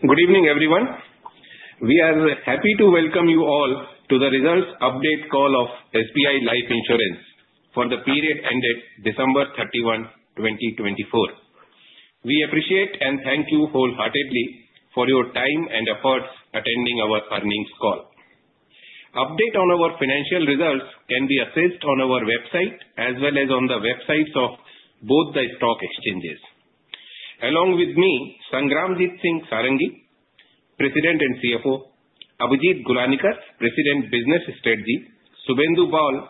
Good evening, everyone. We are happy to welcome you all to the results update call of SBI Life Insurance for the period ended December 31st, 2024. We appreciate and thank you wholeheartedly for your time and efforts attending our earnings call. Updates on our financial results can be accessed on our website as well as on the websites of both the stock exchanges. Along with me, Sangramjit Singh Sarangi, President and CFO, Abhijit Gulanikar, President, Business Strategy, Subhendu Bal,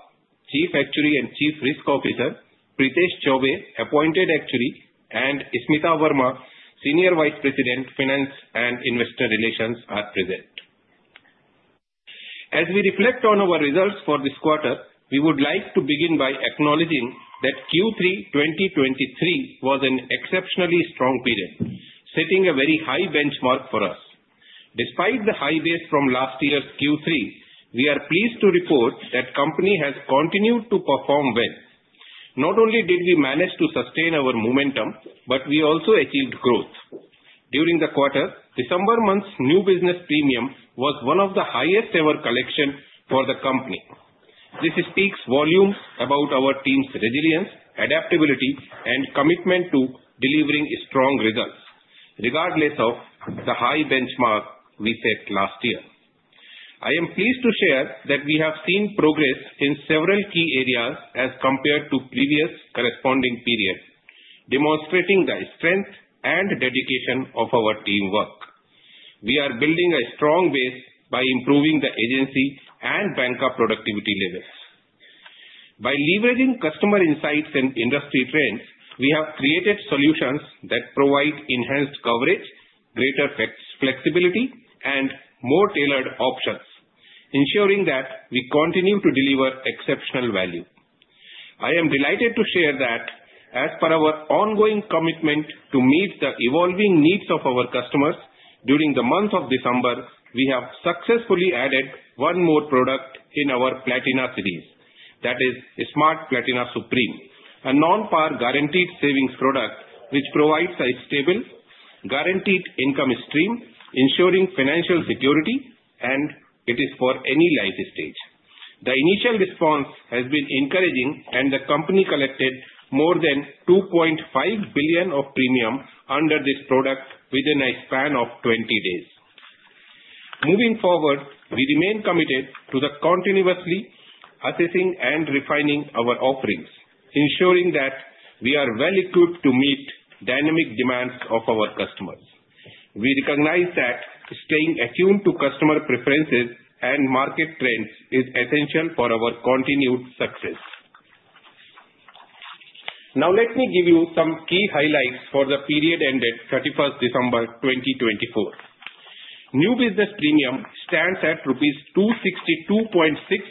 Chief Actuary and Chief Risk Officer, Prithesh Chaubey, Appointed Actuary, and Smita Verma, Senior Vice President, Finance and Investor Relations, are present. As we reflect on our results for this quarter, we would like to begin by acknowledging that Q3 2023 was an exceptionally strong period, setting a very high benchmark for us. Despite the high base from last year's Q3, we are pleased to report that the company has continued to perform well. Not only did we manage to sustain our momentum, but we also achieved growth. During the quarter, December month's new business premium was one of the highest-ever collections for the company. This speaks volumes about our team's resilience, adaptability, and commitment to delivering strong results, regardless of the high benchmark we set last year. I am pleased to share that we have seen progress in several key areas as compared to the previous corresponding period, demonstrating the strength and dedication of our teamwork. We are building a strong base by improving the agency and banca productivity levels. By leveraging customer insights and industry trends, we have created solutions that provide enhanced coverage, greater flexibility, and more tailored options, ensuring that we continue to deliver exceptional value. I am delighted to share that, as per our ongoing commitment to meet the evolving needs of our customers, during the month of December, we have successfully added one more product in our Platinum series, that is Smart Platina Supreme, a non-participating guaranteed savings product which provides a stable, guaranteed income stream, ensuring financial security, and it is for any life stage. The initial response has been encouraging, and the company collected more than 2.5 billion of premium under this product within a span of 20 days. Moving forward, we remain committed to continuously assessing and refining our offerings, ensuring that we are well equipped to meet the dynamic demands of our customers. We recognize that staying attuned to customer preferences and market trends is essential for our continued success. Now, let me give you some key highlights for the period ended 31st December 2024. New business premium stands at rupees 262.6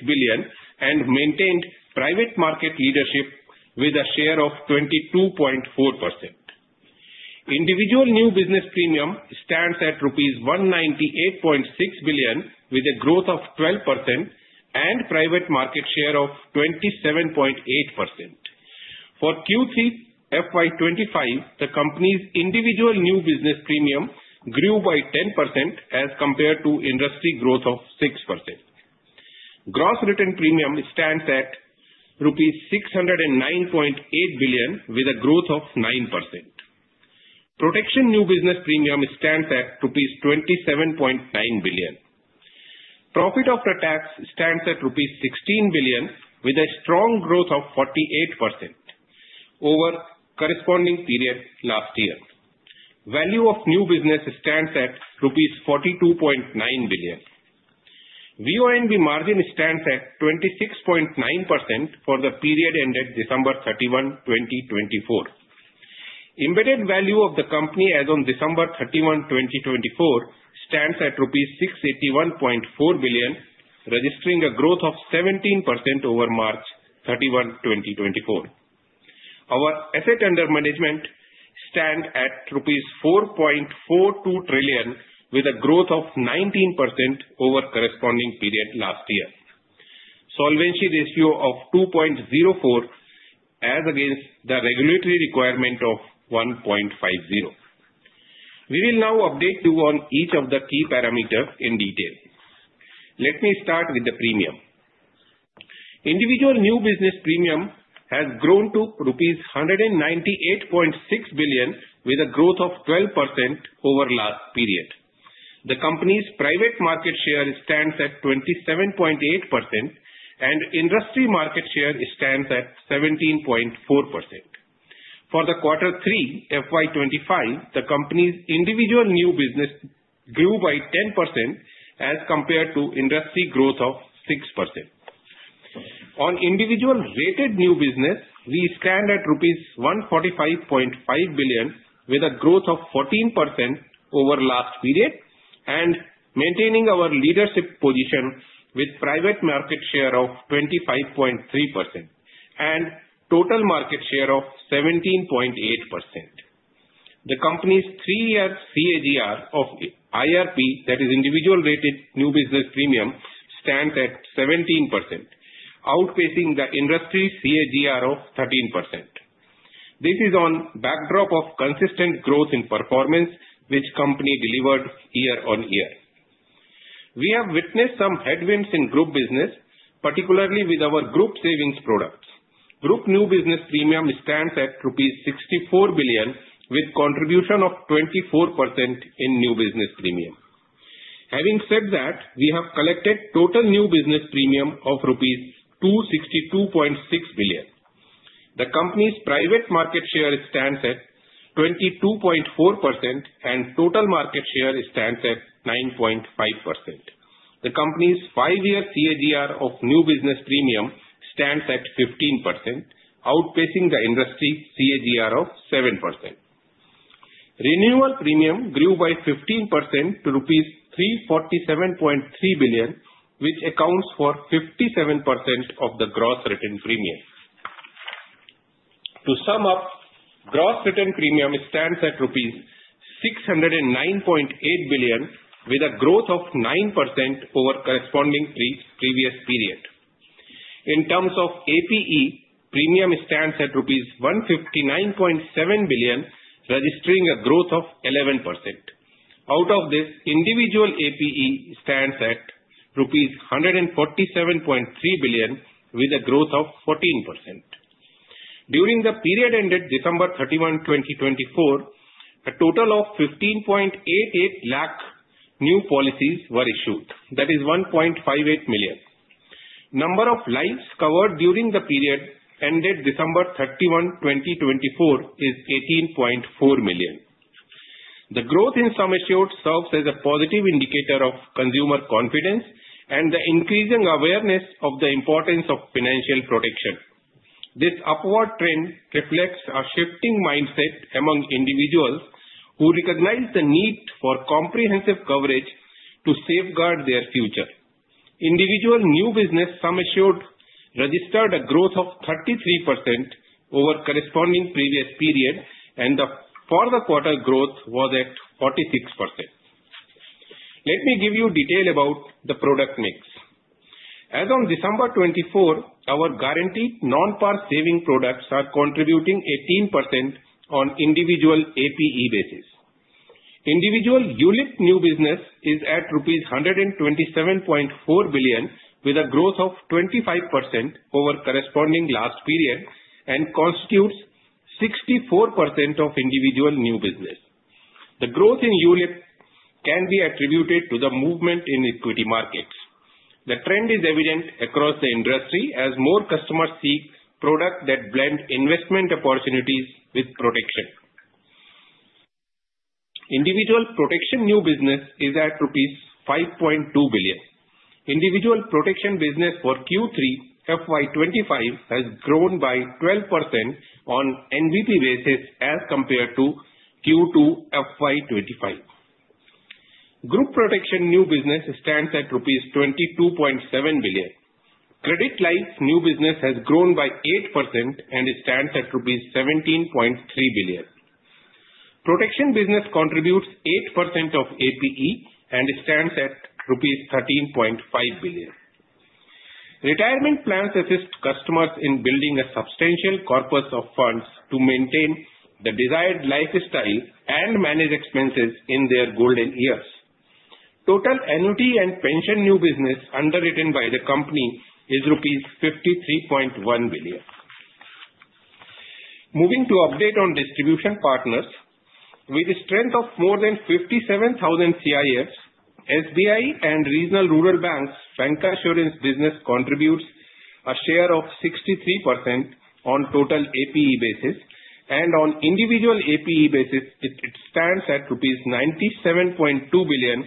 billion and maintained private market leadership with a share of 22.4%. Individual new business premium stands at rupees 198.6 billion with a growth of 12% and private market share of 27.8%. For Q3 FY 2025, the company's individual new business premium grew by 10% as compared to industry growth of 6%. Gross return premium stands at rupees 609.8 billion with a growth of 9%. Protection new business premium stands at rupees 27.9 billion. Profit after tax stands at rupees 16 billion with a strong growth of 48% over the corresponding period last year. Value of new business stands at rupees 42.9 billion. VNB margin stands at 26.9% for the period ended December 31st, 2024. Embedded value of the company as of December 31st, 2024, stands at rupees 681.4 billion, registering a growth of 17% over March 31st, 2024. Our Assets Under Management stands at rupees 4.42 trillion with a growth of 19% over the corresponding period last year. Solvency ratio of 2.04 as against the regulatory requirement of 1.50. We will now update you on each of the key parameters in detail. Let me start with the premium. Individual new business premium has grown to rupees 198.6 billion with a growth of 12% over the last period. The company's private market share stands at 27.8%, and industry market share stands at 17.4%. For the 3rd quarter FY 2025, the company's individual new business grew by 10% as compared to industry growth of 6%. On individual rated new business, we stand at rupees 145.5 billion with a growth of 14% over the last period and maintaining our leadership position with a private market share of 25.3% and a total market share of 17.8%. The company's three-year CAGR of IRP, that is individual rated new business premium, stands at 17%, outpacing the industry CAGR of 13%. This is on the backdrop of consistent growth in performance which the company delivered year-on-year. We have witnessed some headwinds in group business, particularly with our group savings products. Group new business premium stands at 64 billion with a contribution of 24% in new business premium. Having said that, we have collected total new business premium of rupees 262.6 billion. The company's private market share stands at 22.4%, and total market share stands at 9.5%. The company's five-year CAGR of new business premium stands at 15%, outpacing the industry CAGR of 7%. Renewal premium grew by 15% to rupees 347.3 billion, which accounts for 57% of the gross written premium. To sum up, gross written premium stands at rupees 609.8 billion with a growth of 9% over the corresponding previous period. In terms of APE, premium stands at rupees 159.7 billion, registering a growth of 11%. Out of this, individual APE stands at rupees 147.3 billion with a growth of 14%. During the period ended December 31st, 2024, a total of 15.88 lakh new policies were issued, that is 1.58 million. The number of lives covered during the period ended December 31st, 2024, is 18.4 million. The growth in sum assured serves as a positive indicator of consumer confidence and the increasing awareness of the importance of financial protection. This upward trend reflects a shifting mindset among individuals who recognize the need for comprehensive coverage to safeguard their future. Individual new business sum assured registered a growth of 33% over the corresponding previous period, and the quarter-to-quarter growth was at 46%. Let me give you details about the product mix. As of December 24th, our guaranteed non-par saving products are contributing 18% on an individual APE basis. Individual unit new business is at INR 127.4 billion with a growth of 25% over the corresponding last period and constitutes 64% of individual new business. The growth in unit can be attributed to the movement in equity markets. The trend is evident across the industry as more customers seek products that blend investment opportunities with protection. Individual protection new business is at rupees 5.2 billion. Individual protection business for Q3 FY 2025 has grown by 12% on an NPV basis as compared to Q2 FY 2025. Group protection new business stands at INR 22.7 billion. Credit life new business has grown by 8% and stands at INR 17.3 billion. Protection business contributes 8% of APE and stands at rupees 13.5 billion. Retirement plans assist customers in building a substantial corpus of funds to maintain the desired lifestyle and manage expenses in their golden years. Total annuity and pension new business underwritten by the company is rupees 53.1 billion. Moving to update on distribution partners, with the strength of more than 57,000 CIFs, SBI and regional rural banks' bancassurance business contributes a share of 63% on total APE basis, and on individual APE basis, it stands at rupees 97.2 billion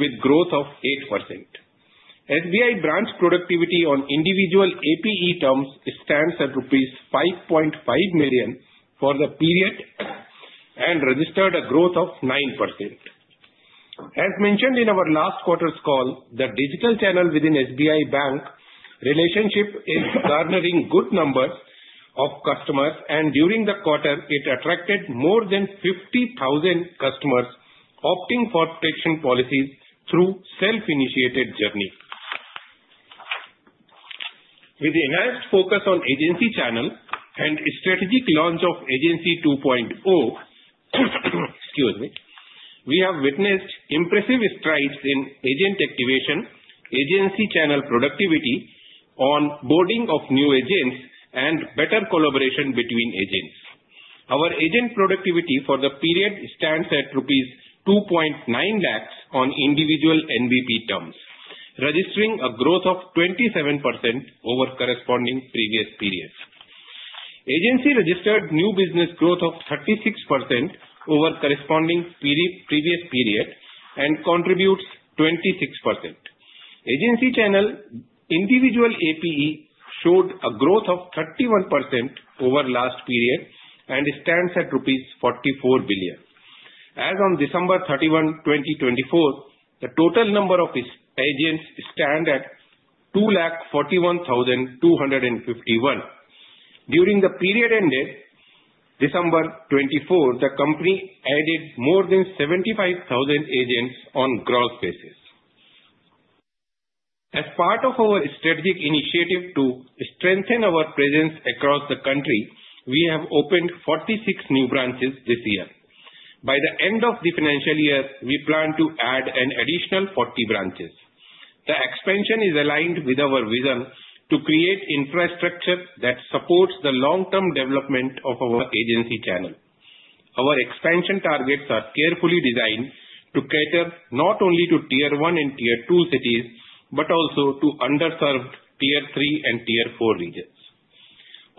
with a growth of 8%. SBI branch productivity on individual APE terms stands at rupees 5.5 million for the period and registered a growth of 9%. As mentioned in our last quarter's call, the digital channel within SBI Bank relationship is garnering good numbers of customers, and during the quarter, it attracted more than 50,000 customers opting for protection policies through self-initiated journey. With the enhanced focus on agency channel and strategic launch of Agency 2.0, we have witnessed impressive strides in agent activation, agency channel productivity onboarding of new agents, and better collaboration between agents. Our agent productivity for the period stands at rupees 2.9 lakh on individual NPV terms, registering a growth of 27% over the corresponding previous period. Agency registered new business growth of 36% over the corresponding previous period and contributes 26%. Agency channel individual APE showed a growth of 31% over the last period and stands at INR 44 billion. As of December 31st, 2024, the total number of agents stands at 241,251. During the period ended December 24, the company added more than 75,000 agents on gross basis. As part of our strategic initiative to strengthen our presence across the country, we have opened 46 new branches this year. By the end of the financial year, we plan to add an additional 40 branches. The expansion is aligned with our vision to create infrastructure that supports the long-term development of our agency channel. Our expansion targets are carefully designed to cater not only to Tier 1 and Tier 2 cities but also to underserved Tier 3 and Tier 4 regions.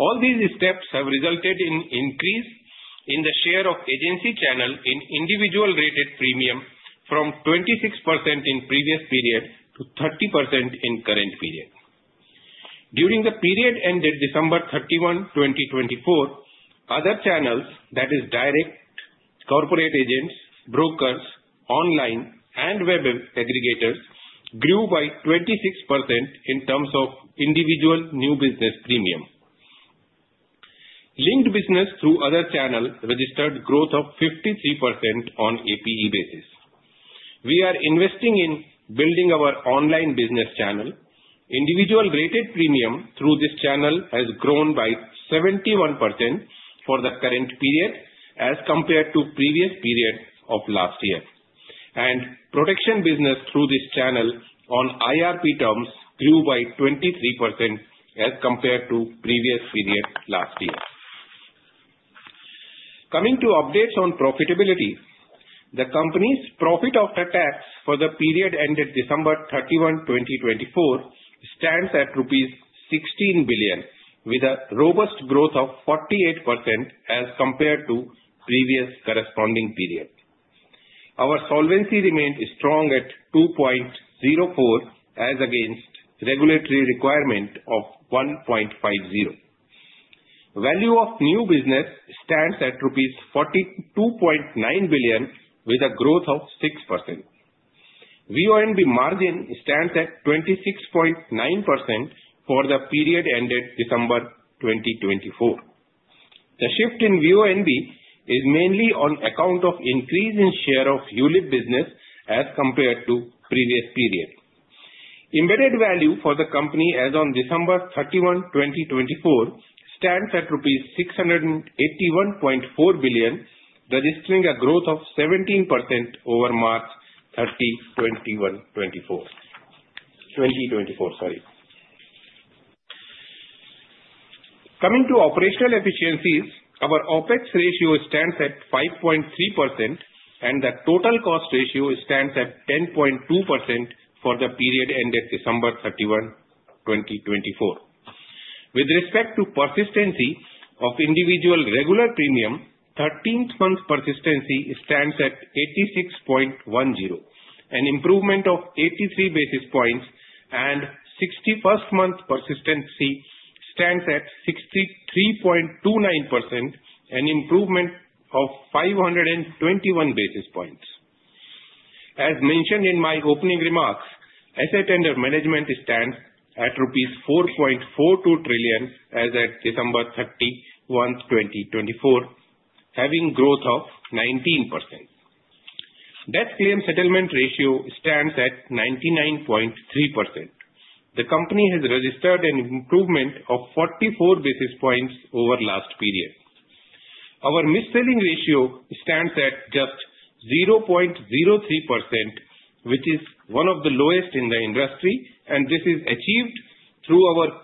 All these steps have resulted in an increase in the share of agency channel in individual rated premium from 26% in the previous period to 30% in the current period. During the period ended December 31st, 2024, other channels, that is direct corporate agents, brokers, online, and web aggregators, grew by 26% in terms of individual new business premium. Linked business through other channels registered a growth of 53% on an APE basis. We are investing in building our online business channel. Individual rated premium through this channel has grown by 71% for the current period as compared to the previous period of last year, and protection business through this channel on IRP terms grew by 23% as compared to the previous period last year. Coming to updates on profitability, the company's profit after tax for the period ended December 31st, 2024, stands at rupees 16 billion, with a robust growth of 48% as compared to the previous corresponding period. Our solvency remained strong at 2.04 as against regulatory requirement of 1.50. Value of new business stands at rupees 42.9 billion, with a growth of 6%. VNB margin stands at 26.9% for the period ended December 2024. The shift in VNB is mainly on account of an increase in the share of unit business as compared to the previous period. Embedded Value for the company as of December 31st, 2024, stands at rupees 681.4 billion, registering a growth of 17% over March 31st, 2024. Coming to operational efficiencies, our OpEx ratio stands at 5.3%, and the total cost ratio stands at 10.2% for the period ended December 31st, 2024. With respect to persistency of individual regular premium, the 13th month persistency stands at 86.10%, an improvement of 83 basis points, and the 61st month persistency stands at 63.29%, an improvement of 521 basis points. As mentioned in my opening remarks, Assets Under Management stands at rupees 4.42 trillion as of December 31st, 2024, having a growth of 19%. Death claim settlement ratio stands at 99.3%. The company has registered an improvement of 44 basis points over the last period. Our mis-selling ratio stands at just 0.03%, which is one of the lowest in the industry, and this is achieved through our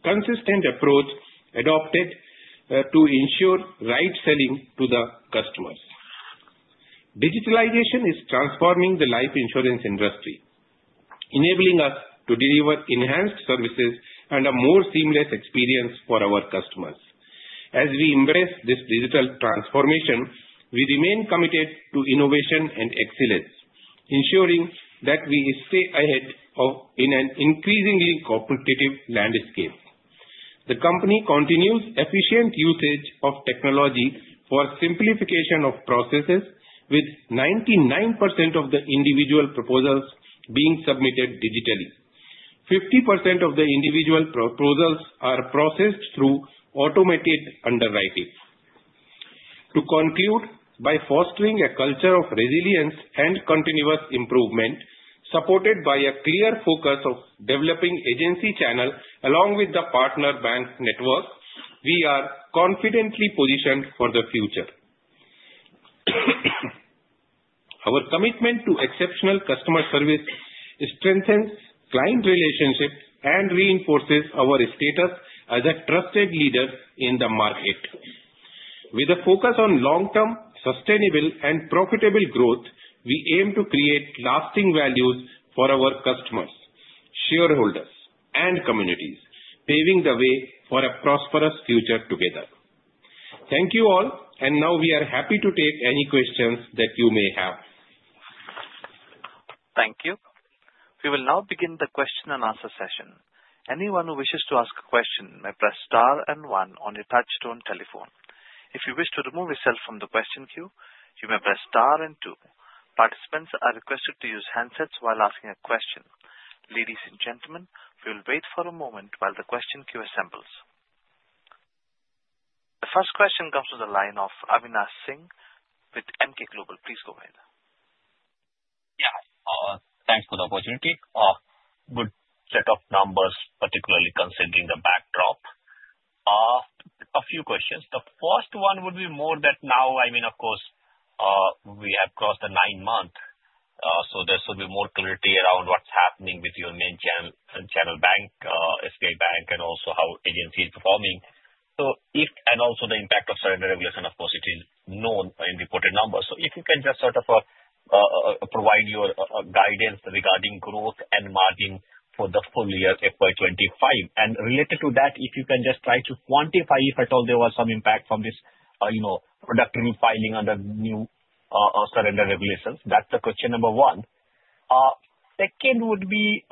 consistent approach adopted to ensure right selling to the customers. Digitalization is transforming the life insurance industry, enabling us to deliver enhanced services and a more seamless experience for our customers. As we embrace this digital transformation, we remain committed to innovation and excellence, ensuring that we stay ahead in an increasingly competitive landscape. The company continues efficient usage of technology for simplification of processes, with 99% of the individual proposals being submitted digitally. 50% of the individual proposals are processed through automated underwriting. To conclude, by fostering a culture of resilience and continuous improvement, supported by a clear focus on developing agency channel along with the partner bank network, we are confidently positioned for the future. Our commitment to exceptional customer service strengthens client relationships and reinforces our status as a trusted leader in the market. With a focus on long-term, sustainable, and profitable growth, we aim to create lasting values for our customers, shareholders, and communities, paving the way for a prosperous future together. Thank you all, and now we are happy to take any questions that you may have. Thank you. We will now begin the question and answer session. Anyone who wishes to ask a question may press star and one on your touchtone telephone. If you wish to remove yourself from the question queue, you may press star and two. Participants are requested to use handsets while asking a question. Ladies and gentlemen, we will wait for a moment while the question queue assembles. The first question comes from the line of Avinash Singh with Emkay Global. Please go ahead. Yeah. Thanks for the opportunity. Good set of numbers, particularly considering the backdrop. A few questions. The first one would be more that now, I mean, of course, we have crossed the nine months, so there should be more clarity around what's happening with your main channel and channel bank, SBI Bank, and also how the agency is performing. So if and also the impact of surrender regulation, of course, it is known in reported numbers. So if you can just sort of provide your guidance regarding growth and margin for the full year FY 2025, and related to that, if you can just try to quantify if at all there was some impact from this product refiling under new surrender regulations. That's the question number one. Second would be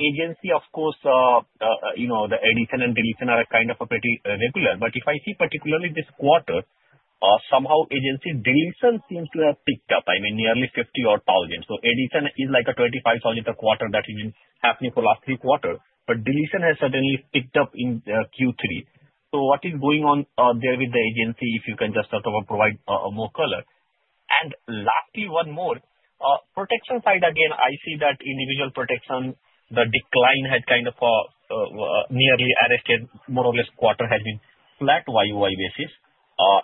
agency, of course, the addition and deletion are kind of pretty regular. But if I see particularly this quarter, somehow agency deletion seems to have picked up, I mean, nearly 50 or 1,000. So addition is like a 25,000 per quarter that has been happening for the last three quarters, but deletion has certainly picked up in Q3. So what is going on there with the agency, if you can just sort of provide more color? And lastly, one more. Protection side, again, I see that individual protection, the decline had kind of nearly arrested more or less quarter has been flat YoY basis.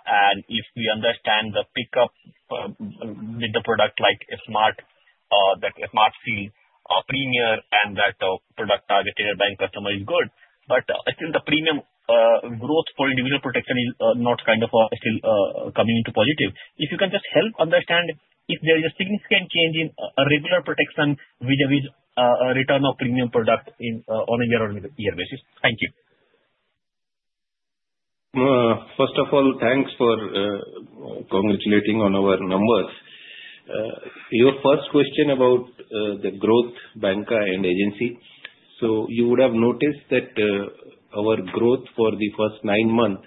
And if we understand the pickup with the product like a Smart Platina Supreme, and that product targeted bank customer is good. But I think the premium growth for individual protection is not kind of still coming into positive. If you can just help understand if there is a significant change in regular protection with a return of premium product on a year-on-year basis? Thank you. First of all, thanks for congratulating on our numbers. Your first question about the growth, Banca, and agency. So you would have noticed that our growth for the first nine months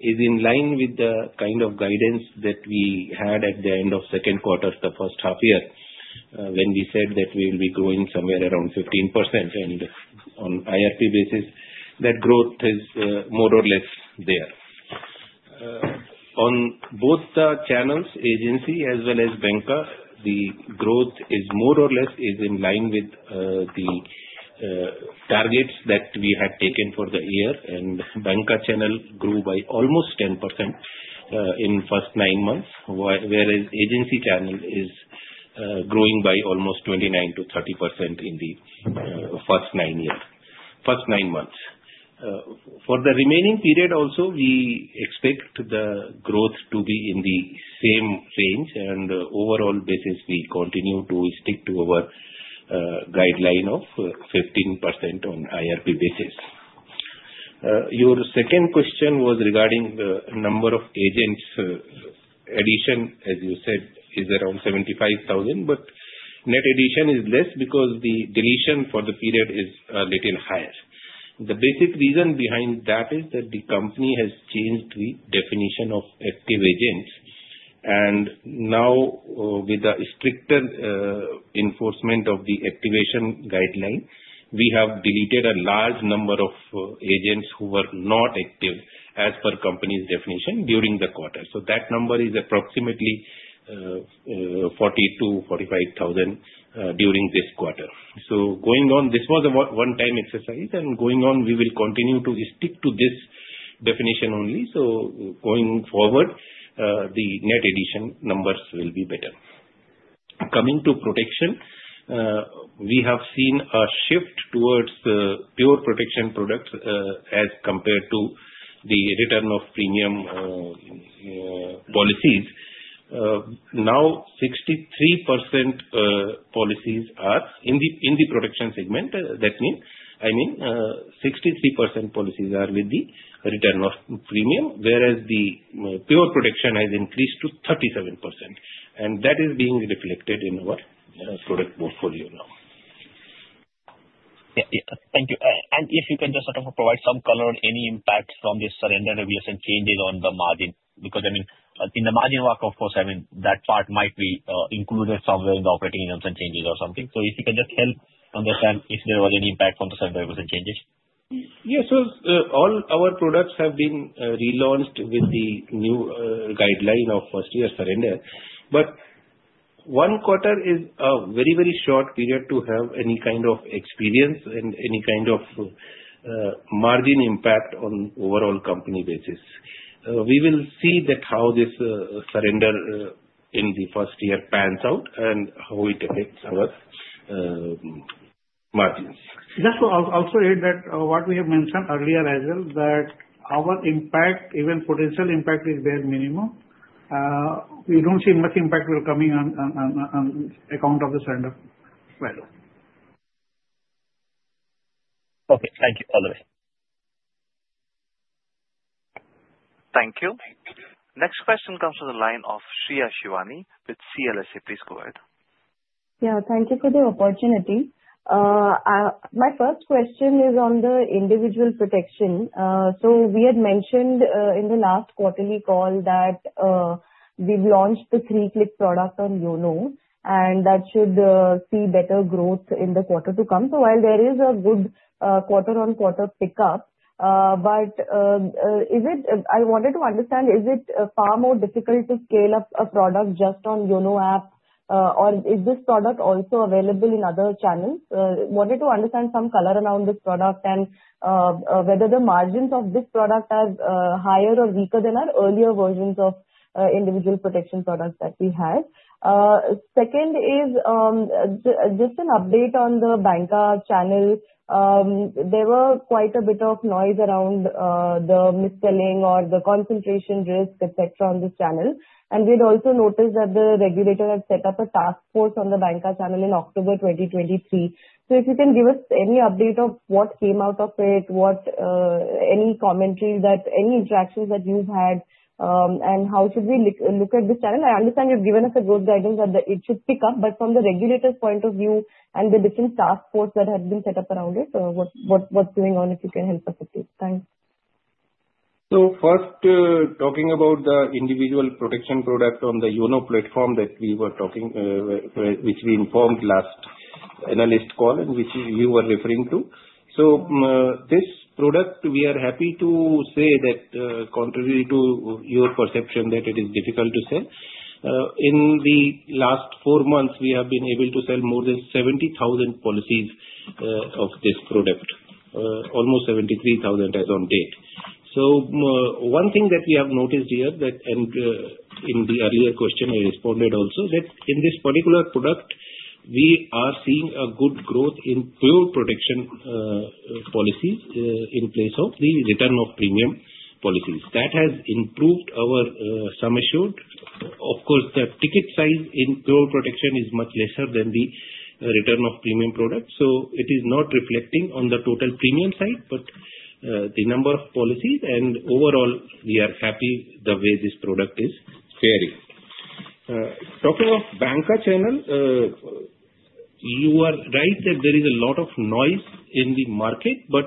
is in line with the kind of guidance that we had at the end of the 2nd quarter of the 1st half year when we said that we will be growing somewhere around 15%, and on IRP basis, that growth is more or less there. On both the channels agency as well as Banca, the growth is more or less in line with the targets that we had taken for the year. Banca channel grew by almost 10% in the first nine months, whereas agency channel is growing by almost 29%-30% in the first nine months. For the remaining period, also, we expect the growth to be in the same range. Overall basis, we continue to stick to our guideline of 15% on IRP basis. Your second question was regarding the number of agents. Addition, as you said, is around 75,000, but net addition is less because the deletion for the period is a little higher. The basic reason behind that is that the company has changed the definition of active agents. Now, with the stricter enforcement of the activation guideline, we have deleted a large number of agents who were not active as per the company's definition during the quarter. That number is approximately 42,000-45,000 during this quarter. So going on, this was a one-time exercise. And going on, we will continue to stick to this definition only. So going forward, the net addition numbers will be better. Coming to protection, we have seen a shift towards pure protection products as compared to the return of premium policies. Now, 63% policies are in the protection segment. That means, I mean, 63% policies are with the return of premium, whereas the pure protection has increased to 37%. And that is being reflected in our product portfolio now. Yeah. Thank you. And if you can just sort of provide some color on any impact from this surrender revision changes on the margin, because, I mean, in the margin work, of course, I mean, that part might be included somewhere in the operating incentive changes or something. So if you can just help understand if there was any impact from the surrender revision changes? Yeah. So all our products have been relaunched with the new guideline of first-year surrender. But one quarter is a very, very short period to have any kind of experience and any kind of margin impact on overall company basis. We will see how this surrender in the first year pans out and how it affects our margins. Just to also add that what we have mentioned earlier as well, that our impact, even potential impact, is very minimal. We don't see much impact coming on account of the surrender value. Okay. Thank you, for the color. Thank you. Next question comes from the line of Shreya Shivani with CLSA. Please go ahead. Yeah. Thank you for the opportunity. My first question is on the individual protection. We had mentioned in the last quarterly call that we've launched the Three Click product on YONO, and that should see better growth in the quarters to come. While there is a good quarter-on-quarter pickup, I wanted to understand, is it far more difficult to scale up a product just on YONO app, or is this product also available in other channels? I wanted to understand some color around this product and whether the margins of this product are higher or weaker than our earlier versions of individual protection products that we have. Second is just an update on the Banca channel. There was quite a bit of noise around the mis-selling or the concentration risk, etc., on this channel. We had also noticed that the regulator had set up a task force on the Banca channel in October 2023. So if you can give us any update of what came out of it, any commentary that any interactions that you've had, and how should we look at this channel? I understand you've given us a good guidance that it should pick up, but from the regulator's point of view and the different task forces that have been set up around it, what's going on, if you can help us with it? Thanks. So first, talking about the individual protection product on the YONO platform that we were talking, which we informed last analyst call, and which you were referring to. So this product, we are happy to say that contrary to your perception that it is difficult to sell. In the last four months, we have been able to sell more than 70,000 policies of this product, almost 73,000 as of date. One thing that we have noticed here is that in the earlier question, I responded also that in this particular product, we are seeing a good growth in pure protection policies in place of the return of premium policies. That has improved our sum assured. Of course, the ticket size in pure protection is much lesser than the return of premium product. So it is not reflecting on the total premium side, but the number of policies. And overall, we are happy the way this product is faring. Talking of Banca channel, you are right that there is a lot of noise in the market, but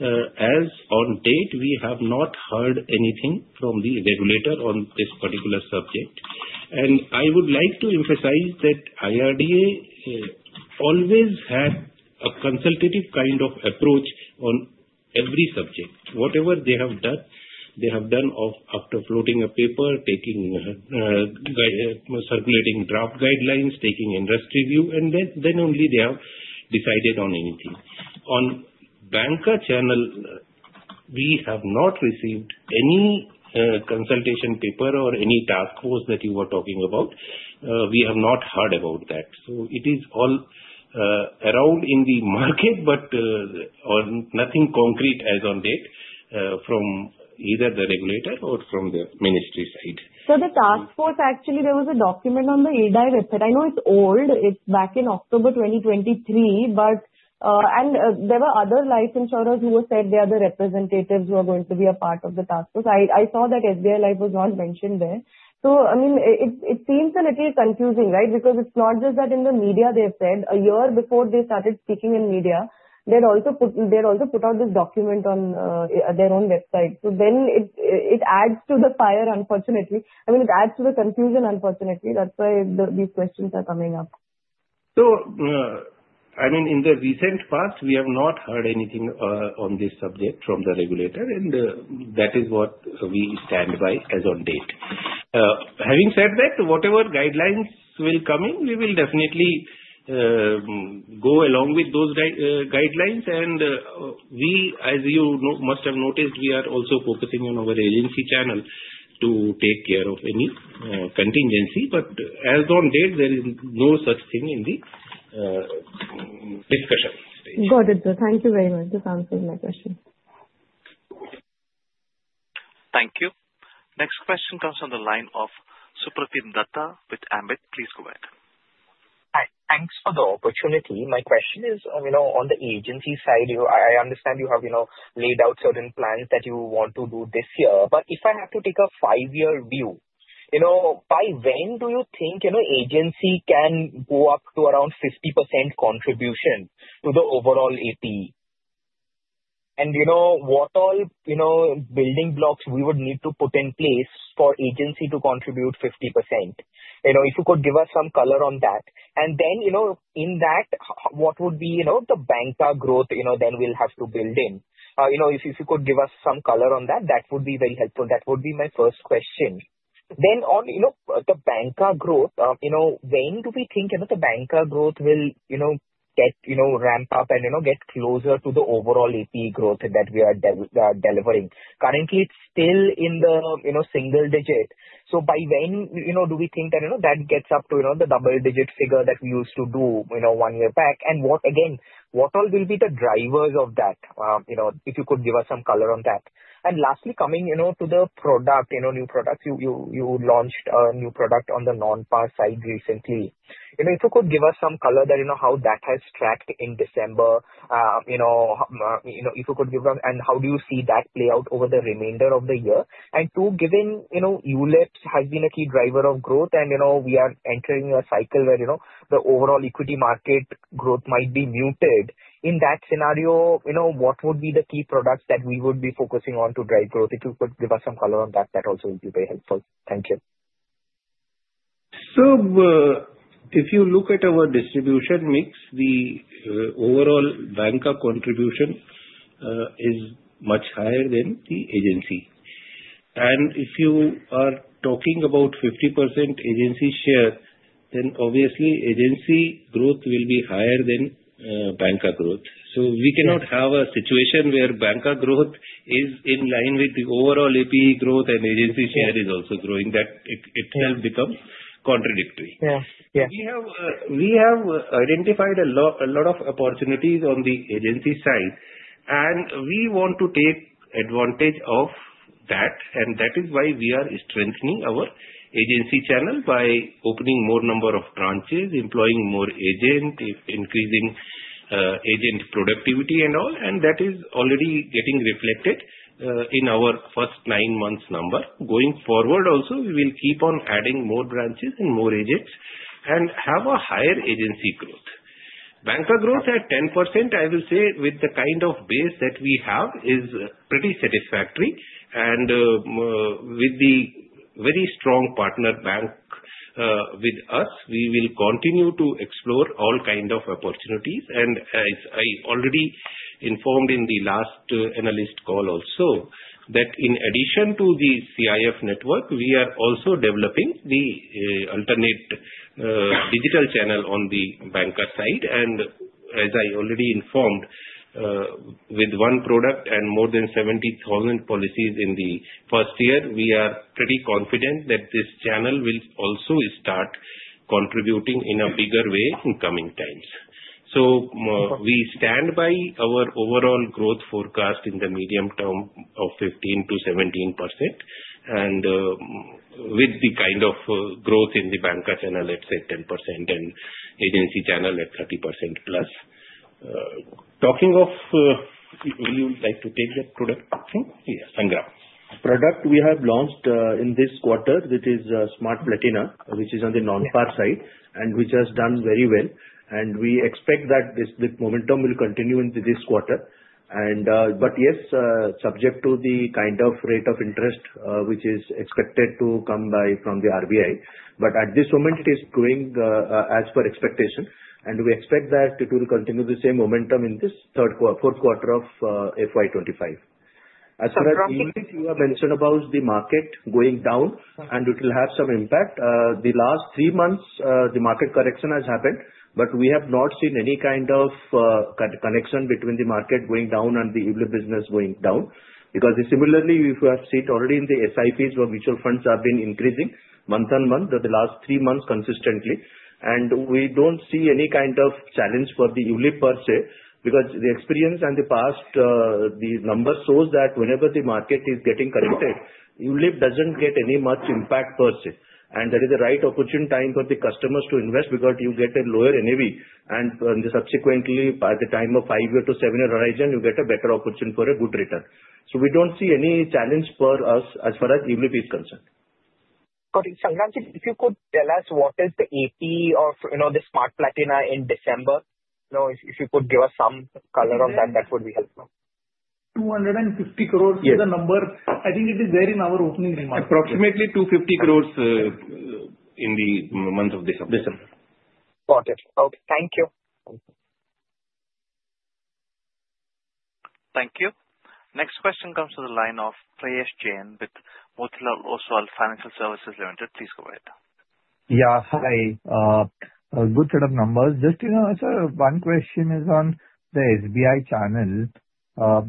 as of date, we have not heard anything from the regulator on this particular subject. And I would like to emphasize that IRDA always had a consultative kind of approach on every subject. Whatever they have done, they have done it after floating a paper, circulating draft guidelines, taking industry review, and then only they have decided on anything. On Banca channel, we have not received any consultation paper or any task force that you were talking about. We have not heard about that. So it is all around in the market, but nothing concrete as of date from either the regulator or from the ministry side. So the task force, actually, there was a document on the IRDAI website. I know it's old. It's back in October 2023. And there were other life insurers who said they are the representatives who are going to be a part of the task force. I saw that SBI Life was not mentioned there. So, I mean, it seems a little confusing, right? Because it's not just that in the media they have said a year before they started speaking in media, they had also put out this document on their own website. So then it adds to the fire, unfortunately. I mean, it adds to the confusion, unfortunately. That's why these questions are coming up. So, I mean, in the recent past, we have not heard anything on this subject from the regulator, and that is what we stand by as of date. Having said that, whatever guidelines will come in, we will definitely go along with those guidelines. And we, as you must have noticed, we are also focusing on our agency channel to take care of any contingency. But as of date, there is no such thing in the discussion. Got it. Thank you very much for answering my question. Thank you. Next question comes from the line of Supratim Datta with Ambit Capital. Please go ahead. Thanks for the opportunity. My question is, on the agency side, I understand you have laid out certain plans that you want to do this year. But if I have to take a five-year view, by when do you think agency can go up to around 50% contribution to the overall APE? And what all building blocks we would need to put in place for agency to contribute 50%? If you could give us some color on that. And then in that, what would be the Banca growth then we'll have to build in? If you could give us some color on that, that would be very helpful. That would be my first question. Then, on the Banca growth, when do we think the Banca growth will get ramped up and get closer to the overall APE growth that we are delivering? Currently, it's still in the single digit. So by when do we think that gets up to the double-digit figure that we used to do one year back? And again, what all will be the drivers of that? If you could give us some color on that. And lastly, coming to the product, new products, you launched a new product on the non-Par side recently. If you could give us some color on that, how that has tracked in December, if you could give us, and how do you see that play out over the remainder of the year? And two, given ULIPs has been a key driver of growth, and we are entering a cycle where the overall equity market growth might be muted. In that scenario, what would be the key products that we would be focusing on to drive growth? If you could give us some color on that, that also would be very helpful. Thank you. So if you look at our distribution mix, the overall Banca contribution is much higher than the agency. And if you are talking about 50% agency share, then obviously, agency growth will be higher than Banca growth. So we cannot have a situation where Banca growth is in line with the overall APE growth, and agency share is also growing. That itself becomes contradictory. We have identified a lot of opportunities on the agency side, and we want to take advantage of that. That is why we are strengthening our agency channel by opening more number of branches, employing more agents, increasing agent productivity and all. That is already getting reflected in our first nine months' number. Going forward also, we will keep on adding more branches and more agents and have a higher agency growth. Banca growth at 10%, I will say, with the kind of base that we have, is pretty satisfactory. With the very strong partner bank with us, we will continue to explore all kinds of opportunities. I already informed in the last analyst call also that in addition to the CIF network, we are also developing the alternate digital channel on the Banca side. As I already informed, with one product and more than 70,000 policies in the first year, we are pretty confident that this channel will also start contributing in a bigger way in coming times. We stand by our overall growth forecast in the medium term of 15%-17%. With the kind of growth in the Banca channel, let's say 10% and agency channel at 30% plus. Talking of, will you like to take that product? Yeah. Sangram. Product we have launched in this quarter, which is Smart Platina, which is on the non-par side, and which has done very well. We expect that this momentum will continue into this quarter. But yes, subject to the kind of rate of interest, which is expected to come by from the RBI. But at this moment, it is going as per expectation. We expect that it will continue the same momentum in this 4th quarter of FY25. As for agency, you have mentioned about the market going down, and it will have some impact. The last three months, the market correction has happened, but we have not seen any kind of connection between the market going down and the ULIP business going down. Because similarly, if you have seen already in the SIPs where mutual funds have been increasing month-on-month, the last three months consistently. We don't see any kind of challenge for the ULIP per se. Because the experience and the past, the number shows that whenever the market is getting corrected, ULIP doesn't get any much impact per se. That is the right opportune time for the customers to invest because you get a lower NAV. Subsequently, by the time of five-year to seven-year horizon, you get a better opportunity for a good return. So we don't see any challenge for us as far as ULIP is concerned. Got it. Sangramjit, if you could tell us what is the APE of the Smart Platina in December, if you could give us some color on that, that would be helpful. 250 crores is the number. I think it is there in our opening remarks. Approximately 250 crores in the month of December. December. Got it. Okay. Thank you. Thank you. Next question comes from the line of Prayesh Jain with Motilal Oswal Financial Services Limited. Please go ahead. Yeah. Hi. Good set of numbers. Just one question is on the SBI channel.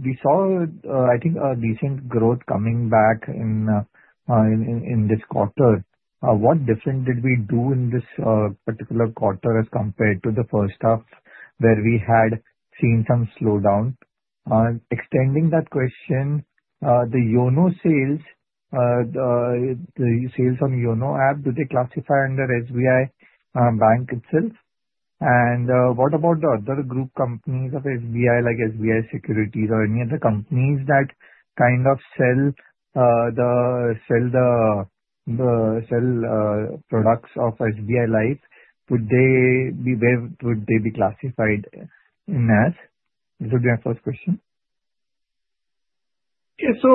We saw, I think, a decent growth coming back in this quarter. What different did we do in this particular quarter as compared to the 1st half where we had seen some slowdown? Extending that question, the YONO sales, the sales on YONO app, do they classify under SBI Bank itself? And what about the other group companies of SBI, like SBI Securities or any other companies that kind of sell the products of SBI Life? Would they be classified in as? This would be my first question. Yeah. So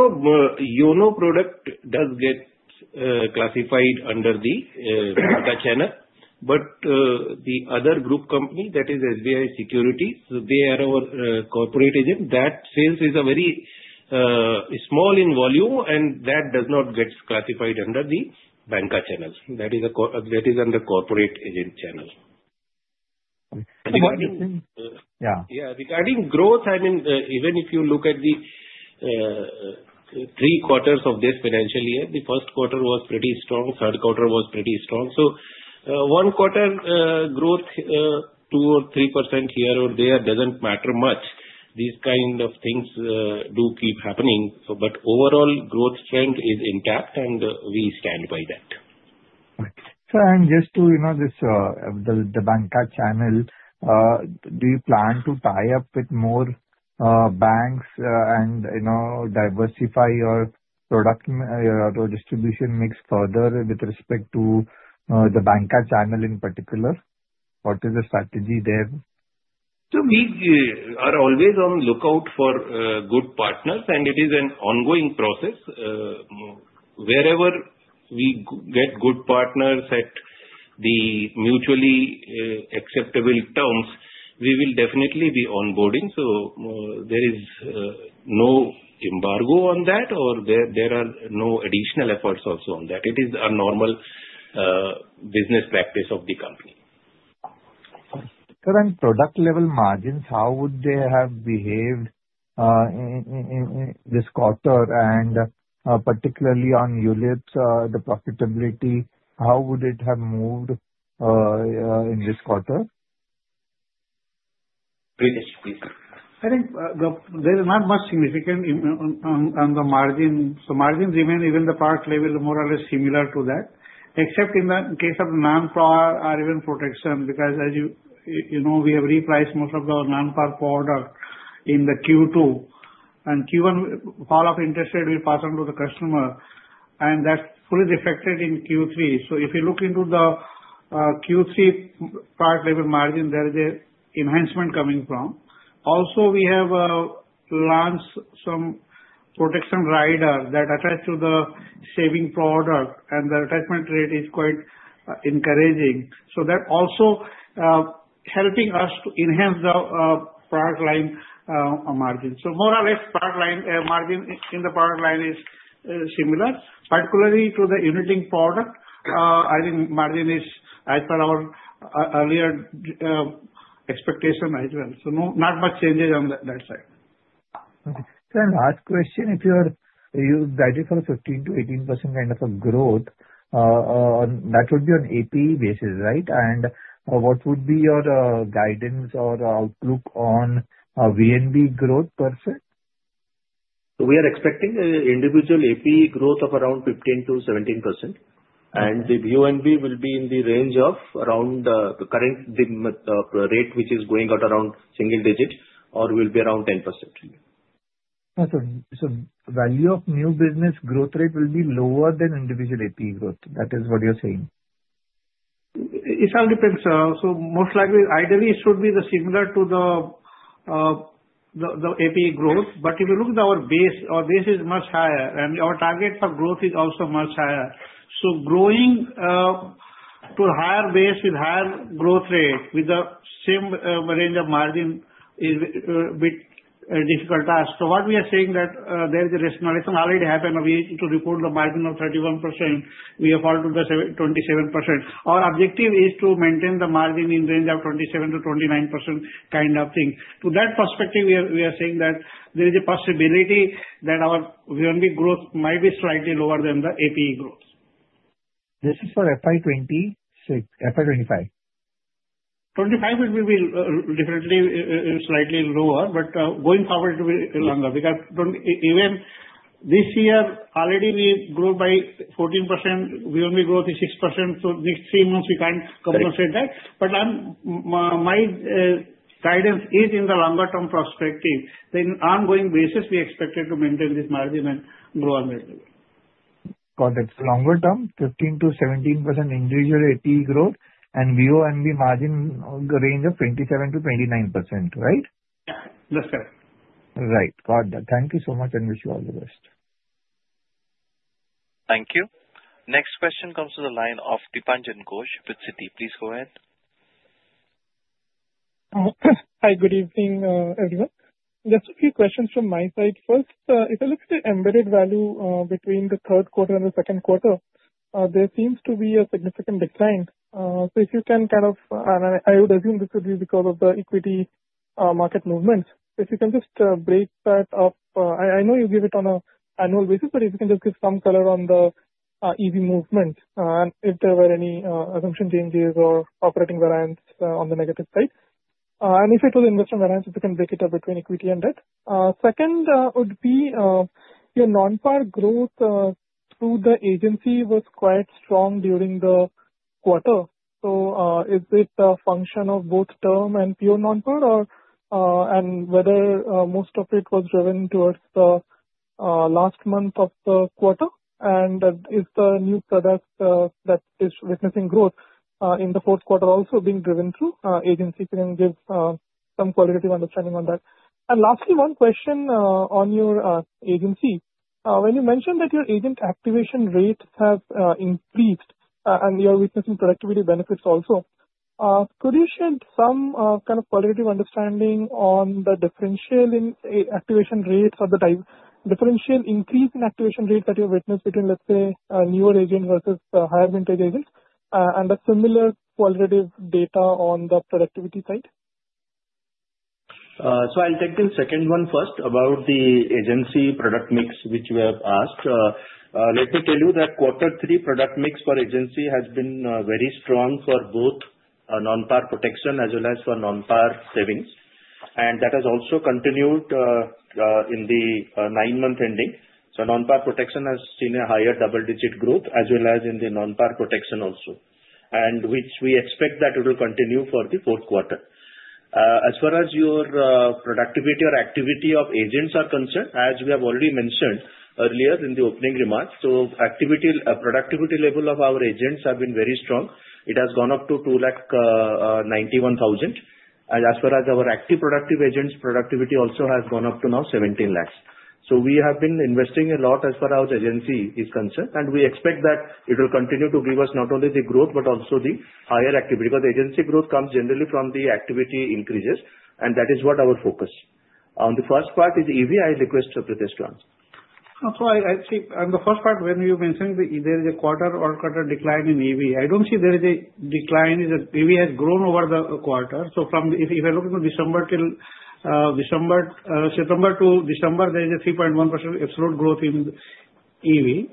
YONO product does get classified under the Banca channel. But the other group company, that is SBI Securities, they are our corporate agent. That sales is very small in volume, and that does not get classified under the Banca channel. That is under corporate agent channel. Yeah. Regarding growth, I mean, even if you look at the three quarters of this financial year, the 1st quarter was pretty strong. 3rd quarter was pretty strong. So one quarter growth, two or three% here or there, does not matter much. These kind of things do keep happening. But overall, growth trend is intact, and we stand by that. And just to this Banca channel, do you plan to tie up with more banks and diversify your product or distribution mix further with respect to the Banca channel in particular? What is the strategy there? So we are always on lookout for good partners, and it is an ongoing process. Wherever we get good partners at the mutually acceptable terms, we will definitely be onboarding. So there is no embargo on that, or there are no additional efforts also on that. It is a normal business practice of the company. And product-level margins, how would they have behaved this quarter? And particularly on ULIPs, the profitability, how would it have moved in this quarter? Prithesh, please. I think there is not much significant on the margin. So margins remain even the past level, more or less similar to that, except in the case of the Non-Par ROP protection. Because as you know, we have repriced most of the Non-Par product in the Q2. And Q1, fall of interest rate will pass on to the customer. And that's fully reflected in Q3. So if you look into the Q3 product-level margin, there is an enhancement coming from. Also, we have launched some protection riders that attach to the saving product, and the attachment rate is quite encouraging. So that also helping us to enhance the product line margin. So more or less, product line margin in the product line is similar, particularly to the unit-linked product. I think margin is as per our earlier expectation as well. Not much changes on that side. Last question. If you are guided for a 15%-18% kind of a growth, that would be on APE basis, right? And what would be your guidance or outlook on VNB growth per se? We are expecting individual APE growth of around 15%-17%. And the VNB will be in the range of around the current rate, which is going out around single digit, or will be around 10%. Value of new business growth rate will be lower than individual APE growth? That is what you're saying. It all depends. Most likely, ideally, it should be similar to the APE growth. If you look at our base, our base is much higher, and our target for growth is also much higher. Growing to a higher base with higher growth rate with the same range of margin is a bit difficult task. So what we are saying that there is a rationalization already happened. We need to report the margin of 31%. We have fallen to the 27%. Our objective is to maintain the margin in range of 27%-29% kind of thing. To that perspective, we are saying that there is a possibility that our VNB growth might be slightly lower than the APE growth. This is for FY 2025? 2025 will be definitely slightly lower, but going forward, it will be longer. Because even this year, already we grew by 14%. VNB growth is 6%. So next three months, we can't compensate that. But my guidance is in the longer-term perspective. In ongoing basis, we expected to maintain this margin and grow on that level. Got it. So longer-term, 15%-17% individual APE growth, and VONB margin range of 27%-29%, right? Yeah. That's correct. Right. Got that. Thank you so much, and wish you all the best. Thank you. Next question comes from the line of Dipanjan Ghosh with Citi. Please go ahead. Hi. Good evening, everyone. Just a few questions from my side. First, if I look at the embedded value between the 3rd quarter and the 2nd quarter, there seems to be a significant decline. So if you can kind of, and I would assume this would be because of the equity market movements. If you can just break that up, I know you give it on an annual basis, but if you can just give some color on the EV movement and if there were any assumption changes or operating variance on the negative side. And if it was investment variance, if you can break it up between equity and debt. Second would be your non-PAS growth through the agency was quite strong during the quarter. So is it a function of both term and pure non-PAS, and whether most of it was driven towards the last month of the quarter? And is the new product that is witnessing growth in the 4th quarter also being driven through agency? Can give some qualitative understanding on that. And lastly, one question on your agency. When you mentioned that your agent activation rates have increased and you're witnessing productivity benefits also, could you shed some kind of qualitative understanding on the differential activation rates or the differential increase in activation rates that you witnessed between, let's say, newer agents versus higher vintage agents? And a similar qualitative data on the productivity side? I'll take the second one first about the agency product mix, which you have asked. Let me tell you that 3rd quarter product mix for agency has been very strong for both non-PAR protection as well as for non-PAR savings. That has also continued in the nine-month ending. Non-PAR protection has seen a higher double-digit growth as well as in the non-PAR protection also, which we expect that it will continue for the 4th quarter. As far as your productivity or activity of agents are concerned, as we have already mentioned earlier in the opening remarks, productivity level of our agents have been very strong. It has gone up to 91,000. As far as our active productive agents, productivity also has gone up to now 17 lakhs. We have been investing a lot as far as our agency is concerned. We expect that it will continue to give us not only the growth, but also the higher activity. Because agency growth comes generally from the activity increases. And that is what our focus. On the first part is EV, I request to Prithesh Chaubey. So I see on the first part, when you mentioned there is a quarter-on-quarter decline in EV, I don't see there is a decline as EV has grown over the quarter. So if I look into December to September to December, there is a 3.1% absolute growth in EV.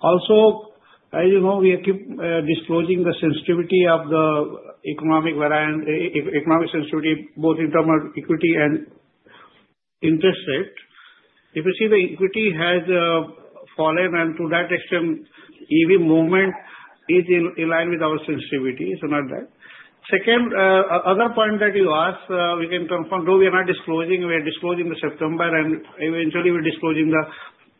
Also, as you know, we keep disclosing the sensitivity of the economic variance, economic sensitivity, both in terms of equity and interest rate. If you see the equity has fallen, and to that extent, EV movement is in line with our sensitivity. So not that. Second, other point that you asked, we can confirm, though we are not disclosing, we are disclosing the September, and eventually, we're disclosing the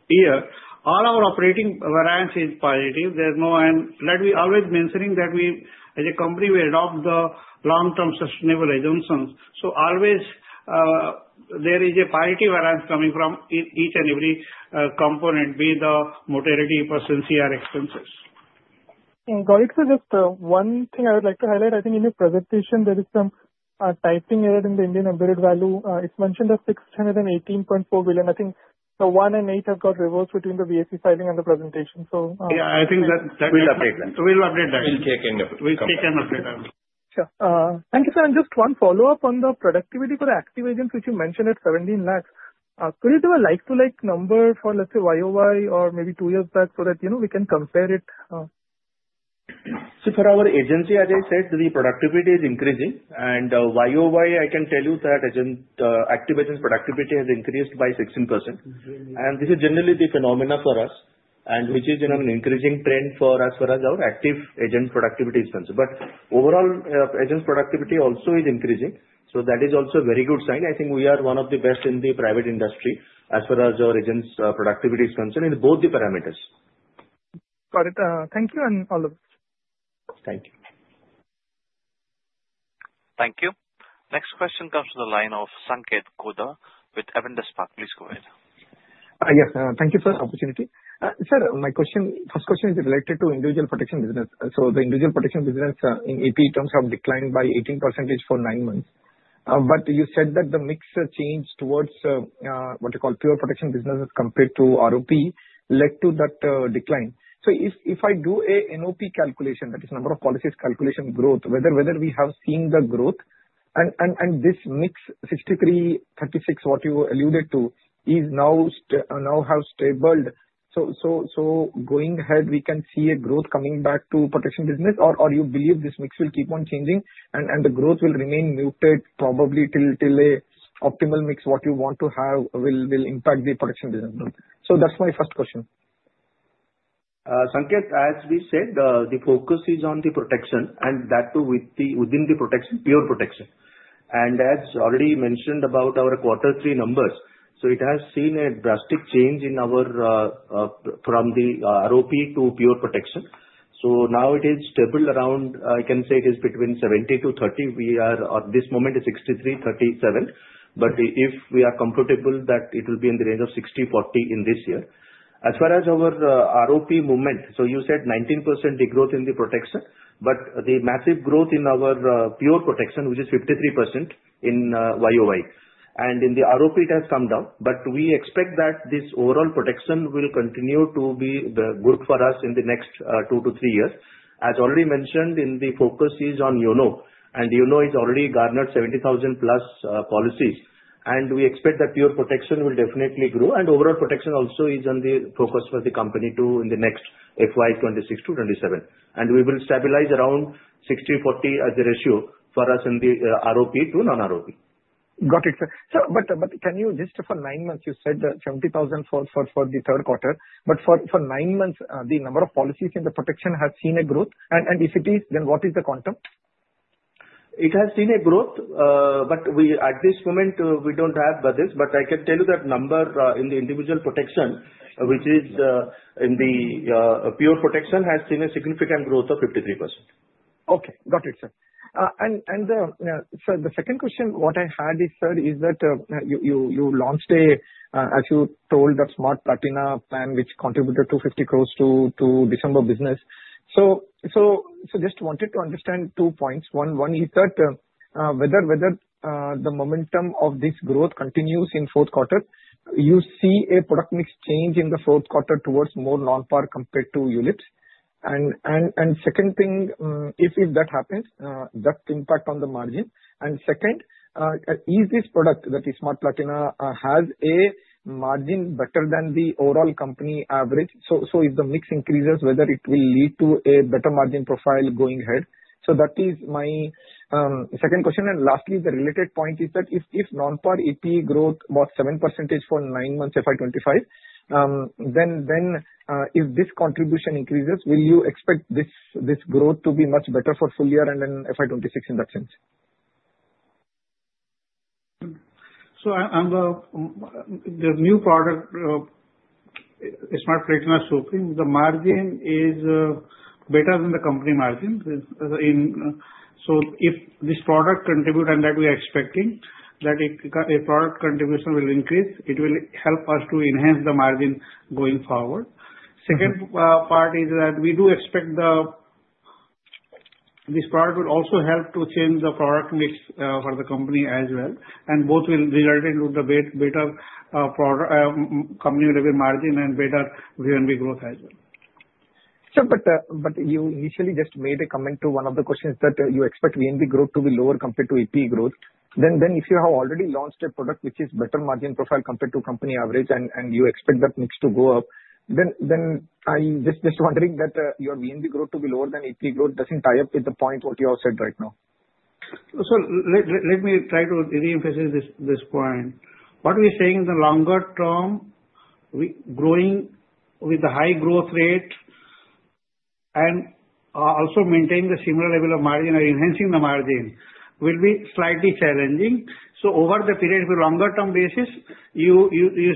year. All our operating variance is positive. There's no end. That we are always mentioning that we, as a company, we adopt the long-term sustainable assumptions. So always, there is a positive variance coming from each and every component, be it the mortality percentage or expenses. Got it. So just one thing I would like to highlight. I think in your presentation, there is some typing error in the Indian Embedded Value. It's mentioned as 618.4 billion. I think the 1 and 8 have got reversed between the BSE filing and the presentation. So yeah, I think that will update that. We'll take care of it. We can update that. Sure. Thank you. Just one follow-up on the productivity for the active agents, which you mentioned at 17 lakhs. Could you do a like-to-like number for, let's say, YoY or maybe two years back so that we can compare it? So for our agency, as I said, the productivity is increasing. And YoY, I can tell you that active agents' productivity has increased by 16%. And this is generally the phenomena for us, which is in an increasing trend for as far as our active agents' productivity is concerned. But overall, agents' productivity also is increasing. So that is also a very good sign. I think we are one of the best in the private industry as far as our agents' productivity is concerned in both the parameters. Got it. Thank you, and all of us. Thank you. Thank you. Next question comes from the line of Sanketh Godha with Avendus Spark. Please go ahead. Yes. Thank you for the opportunity. Sir, my question, first question is related to individual protection business. So the individual protection business in APE terms have declined by 18% for nine months. But you said that the mix change towards what we call pure protection businesses compared to ROP led to that decline. So if I do an NOP calculation, that is number of policies calculation growth, whether we have seen the growth and this mix 63, 36, what you alluded to, now have stabled. So going ahead, we can see a growth coming back to protection business, or you believe this mix will keep on changing and the growth will remain muted probably till an optimal mix what you want to have will impact the protection business? So that's my first question. Sanketh, as we said, the focus is on the protection, and that too within the pure protection. As already mentioned about our 3rd quarter numbers, it has seen a drastic change from the ROP to pure protection. Now it is stable around, I can say it is between 70%, 30%. We are at this moment at 63%, 37%. We are comfortable that it will be in the range of 60%, 40% in this year. As far as our ROP movement, you said 19% degrowth in the protection, but the massive growth in our pure protection, which is 53% in YoY. In the ROP, it has come down. We expect that this overall protection will continue to be good for us in the next two to three years. As already mentioned, the focus is on YONO. YONO has already garnered 70,000-plus policies. We expect that pure protection will definitely grow. Overall protection also is on the focus for the company too in the next FY 2026 to 2027. We will stabilize around 60%-40% as the ratio for us in the ROP to non-ROP. Got it, sir. Can you just for nine months, you said 70,000 for the 3rd quarter. For nine months, the number of policies in the protection has seen a growth. If it is, then what is the content? It has seen a growth. At this moment, we don't have this. I can tell you that number in the individual protection, which is in the pure protection, has seen a significant growth of 53%. Okay. Got it, sir. And the second question what I had is, sir, is that you launched a, as you told, that Smart Platina plan, which contributed 250 crores to December business. So just wanted to understand two points. One is that whether the momentum of this growth continues in 4th quarter, you see a product mix change in the 4th quarter towards more non-PAR compared to units. And second thing, if that happens, that impact on the margin. And second, is this product that is Smart Platina has a margin better than the overall company average? So if the mix increases, whether it will lead to a better margin profile going ahead. So that is my second question. Lastly, the related point is that if non-Par APE growth was 7% for nine months FY 2025, then if this contribution increases, will you expect this growth to be much better for full year and then FY 2026 in that sense? The new product, Smart Platina Supreme, the margin is better than the company margin. If this product contributes and that we are expecting that a product contribution will increase, it will help us to enhance the margin going forward. The second part is that we do expect this product will also help to change the product mix for the company as well. Both will result in the better company margin and better VNB growth as well. Sir, you initially just made a comment to one of the questions that you expect VNB growth to be lower compared to APE growth. Then if you have already launched a product which is better margin profile compared to company average and you expect that mix to go up, then I'm just wondering that your VNB growth to be lower than APE growth doesn't tie up with the point what you have said right now. So let me try to re-emphasize this point. What we are saying in the longer term, growing with the high growth rate and also maintaining the similar level of margin or enhancing the margin will be slightly challenging. So over the period, if you longer-term basis, you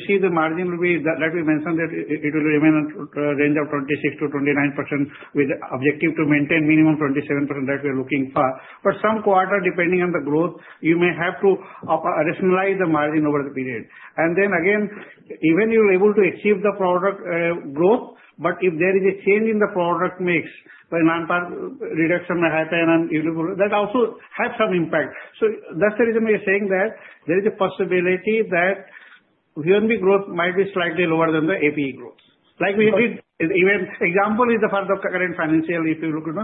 see the margin will be that we mentioned that it will remain in the range of 26%-29% with the objective to maintain minimum 27% that we are looking for. But some quarter, depending on the growth, you may have to rationalize the margin over the period. And then again, even if you're able to achieve the product growth, but if there is a change in the product mix, non-PAS reduction may happen, and that also has some impact. So that's the reason we are saying that there is a possibility that VNB growth might be slightly lower than the APE growth. Like we did, even example is the current financial if you look into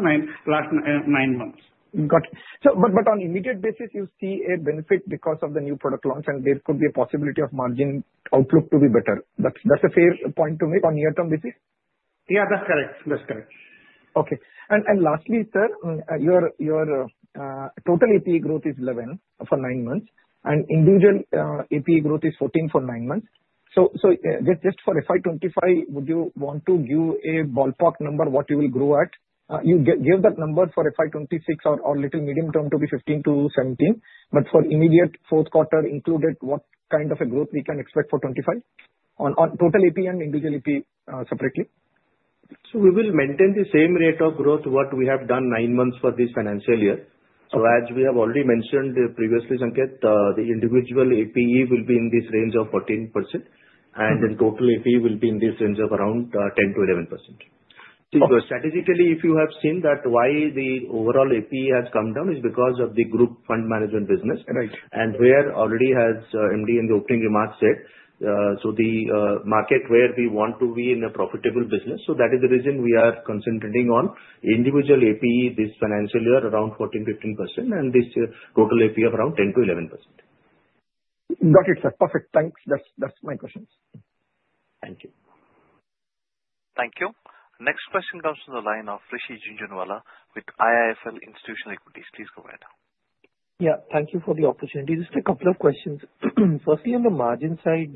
last nine months. Got it. But on immediate basis, you see a benefit because of the new product launch, and there could be a possibility of margin outlook to be better. That's a fair point to make on near-term basis. Yeah, that's correct. That's correct. Okay. And lastly, sir, your total APE growth is 11% for nine months, and individual APE growth is 14% for nine months. So just for FY 2025, would you want to give a ballpark number what you will grow at? You give that number for FY 2026 or little medium term to be 15%-17%. But for immediate 4th quarter, included what kind of a growth we can expect for 2025 on total APE and individual APE separately? So we will maintain the same rate of growth what we have done nine months for this financial year. So as we have already mentioned previously, Sanketh, the individual APE will be in this range of 14%, and then total APE will be in this range of around 10%-11%. So strategically, if you have seen that why the overall APE has come down is because of the group fund management business. And where already has MD in the opening remarks said, so the market where we want to be in a profitable business. So that is the reason we are concentrating on individual APE this financial year around 14%-15%, and this total APE of around 10%-11%. Got it, sir. Perfect. Thanks. That's my questions. Thank you. Thank you. Next question comes from the line of Rishi Jhunjhunwala with IIFL Institutional Equities. Please go ahead. Yeah. Thank you for the opportunity. Just a couple of questions. Firstly, on the margin side,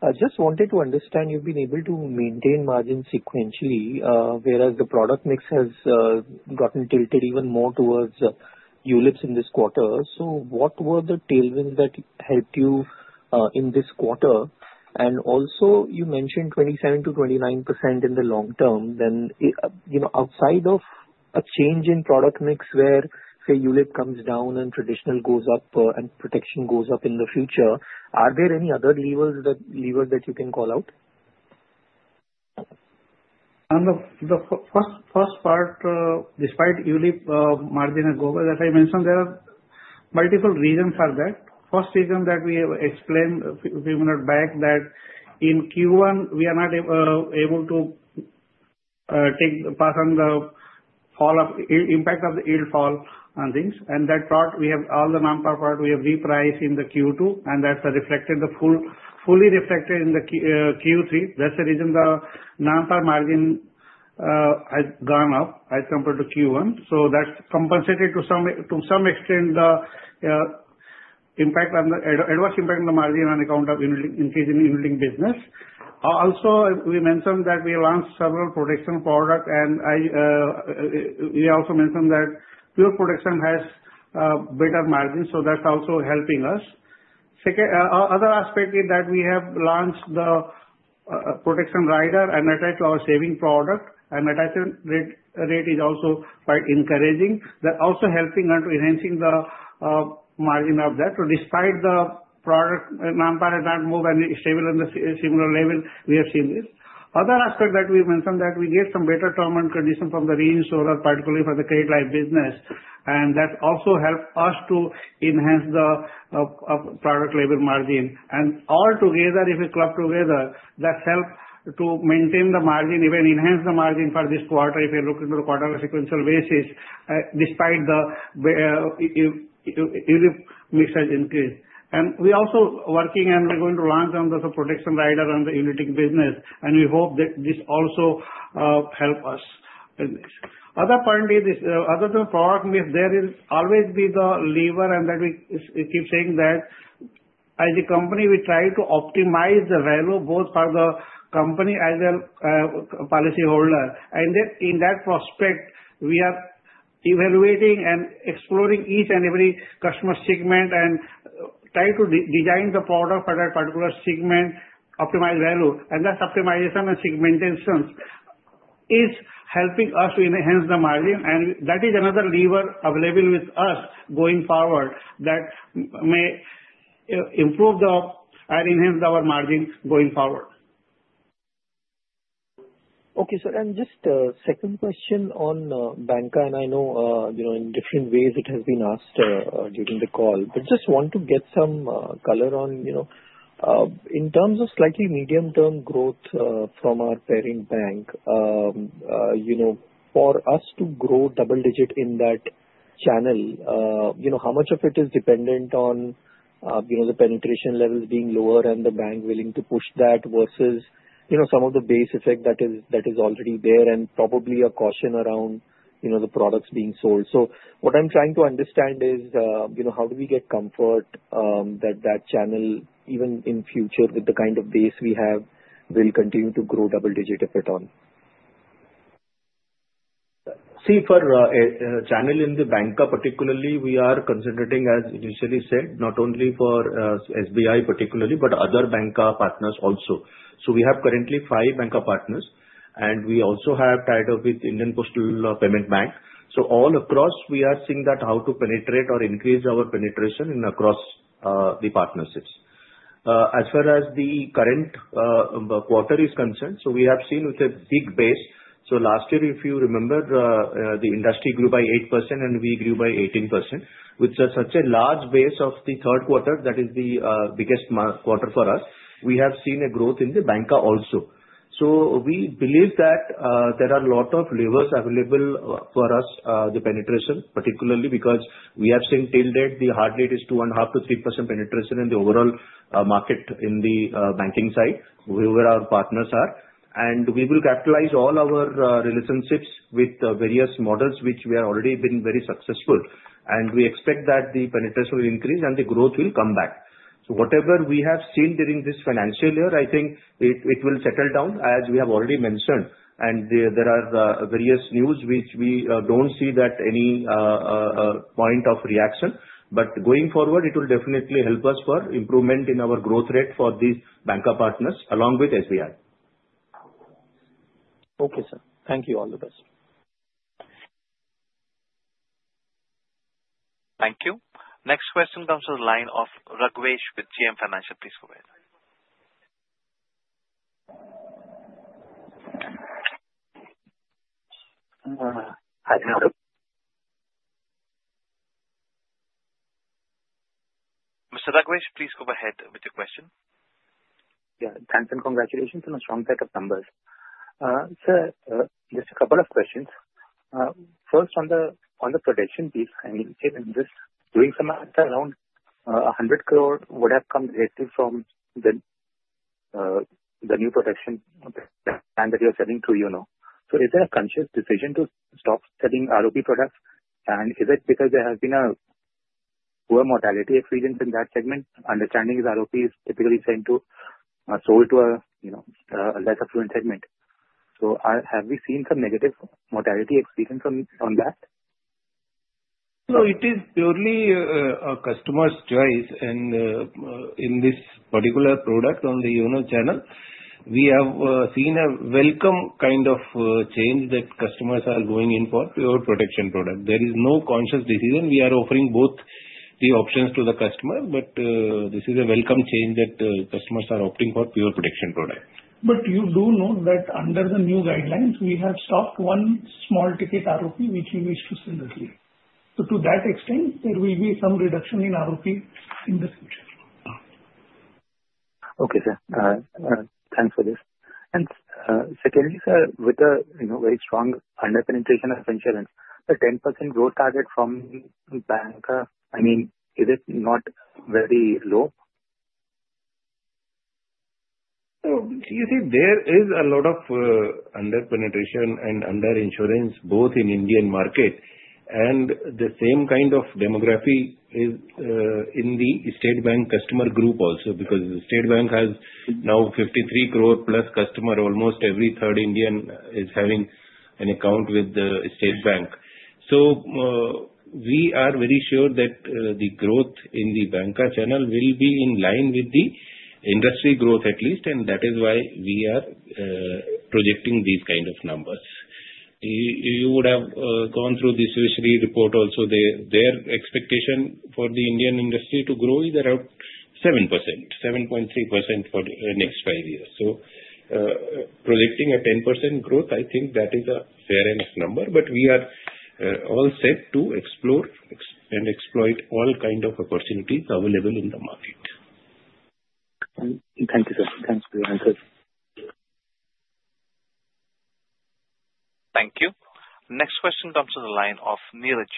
I just wanted to understand you've been able to maintain margin sequentially, whereas the product mix has gotten tilted even more towards units in this quarter. So what were the tailwinds that helped you in this quarter? And also, you mentioned 27%-29% in the long term. Then outside of a change in product mix where, say, ULIP comes down and traditional goes up and protection goes up in the future, are there any other levers that you can call out? On the first part, despite ULIP margin going up, as I mentioned, there are multiple reasons for that. First reason that we explained a few minutes back that in Q1, we are not able to take part on the impact of the yield fall on things. And that part, we have all the non-PAR part, we have repriced in the Q2, and that's reflected fully in the Q3. That's the reason the non-PAR margin has gone up as compared to Q1. So that's compensated to some extent the adverse impact on the margin on account of increasing unit-linked business. Also, we mentioned that we launched several protection products, and we also mentioned that pure protection has better margins, so that's also helping us. Another aspect is that we have launched the protection rider and attached our savings product. And the attachment rate is also quite encouraging. That's also helping us to enhance the margin of that. So despite the product non-PAR not moving and stable on the similar level, we have seen this. Another aspect that we mentioned is that we get some better terms and conditions from the reinsurer, particularly for the credit life business. And that also helps us to enhance the product-level margin. And all together, if we club together, that helps to maintain the margin, even enhance the margin for this quarter if you look into the quarter sequential basis, despite the unit-linked mix increase. And we are also working, and we're going to launch the protection rider on the unit-linked business, and we hope that this also helps us. Other point is, other than product mix, there will always be the lever, and that we keep saying that as a company, we try to optimize the value both for the company as for the policyholder. And in that respect, we are evaluating and exploring each and every customer segment and try to design the product for that particular segment, optimize value. And that optimization and segmentation is helping us to enhance the margin. And that is another lever available with us going forward that may improve and enhance our margin going forward. Okay, sir. And just a second question on Banca. And I know in different ways it has been asked during the call, but just want to get some color on in terms of slightly medium-term growth from our parent bank. For us to grow double-digit in that channel, how much of it is dependent on the penetration levels being lower and the bank willing to push that versus some of the base effect that is already there and probably a caution around the products being sold? So what I'm trying to understand is how do we get comfort that that channel, even in future, with the kind of base we have, will continue to grow double-digit if at all? See, for channel in the bank, particularly, we are considering, as initially said, not only for SBI particularly, but other bank partners also. We have currently five bank partners, and we also have tied up with India Post Payments Bank. All across, we are seeing how to penetrate or increase our penetration across the partnerships. As far as the current quarter is concerned, we have seen with a big base. Last year, if you remember, the industry grew by 8% and we grew by 18%. With such a large base of the 3rd quarter, that is the biggest quarter for us, we have seen a growth in the bank also. We believe that there are a lot of levers available for us, the penetration, particularly because we have seen till date, the hard rate is 2.5%-3% penetration in the overall market in the banking side, where our partners are. We will capitalize all our relationships with various models, which we have already been very successful. We expect that the penetration will increase and the growth will come back. Whatever we have seen during this financial year, I think it will settle down, as we have already mentioned. There are various news which we don't see that any point of reaction. Going forward, it will definitely help us for improvement in our growth rate for these bank partners along with SBI. Okay, sir. Thank you. All the best. Thank you. Next question comes from the line of Raghav with JM Financial. Please go ahead. Mr. Raghav, please go ahead with your question. Yeah. Thanks and congratulations on a strong set of numbers. Sir, just a couple of questions. First, on the protection piece, I mean, just doing some math around 100 crore would have come directly from the new protection plan that you're selling to. So is there a conscious decision to stop selling ROP products? And is it because there has been a poor mortality experience in that segment? My understanding is ROP is typically sold to a less affluent segment. So have we seen some negative mortality experience on that? So it is purely a customer's choice. And in this particular product on the banc channel, we have seen a welcome kind of change that customers are going in for pure protection product. There is no conscious decision. We are offering both the options to the customer, but this is a welcome change that customers are opting for pure protection product. But you do know that under the new guidelines, we have stopped one small ticket ROP, which we wish to sell early. So to that extent, there will be some reduction in ROP in the future. Okay, sir. Thanks for this. And secondly, sir, with a very strong under-penetration of insurance, the 10% growth target from bank, I mean, is it not very low? So you see, there is a lot of under-penetration and under-insurance both in Indian market. And the same kind of demography is in the State Bank customer group also because the State Bank has now 53 crore plus customer. Almost every third Indian is having an account with the State Bank. So we are very sure that the growth in the bank channel will be in line with the industry growth at least. And that is why we are projecting these kind of numbers. You would have gone through this Swiss Re report also. Their expectation for the Indian industry to grow is around 7%, 7.3% for the next five years. So projecting a 10% growth, I think that is a fair enough number. But we are all set to explore and exploit all kinds of opportunities available in the market. Thank you, sir. Thanks for your answers. Thank you. Next question comes from the line of Neeraj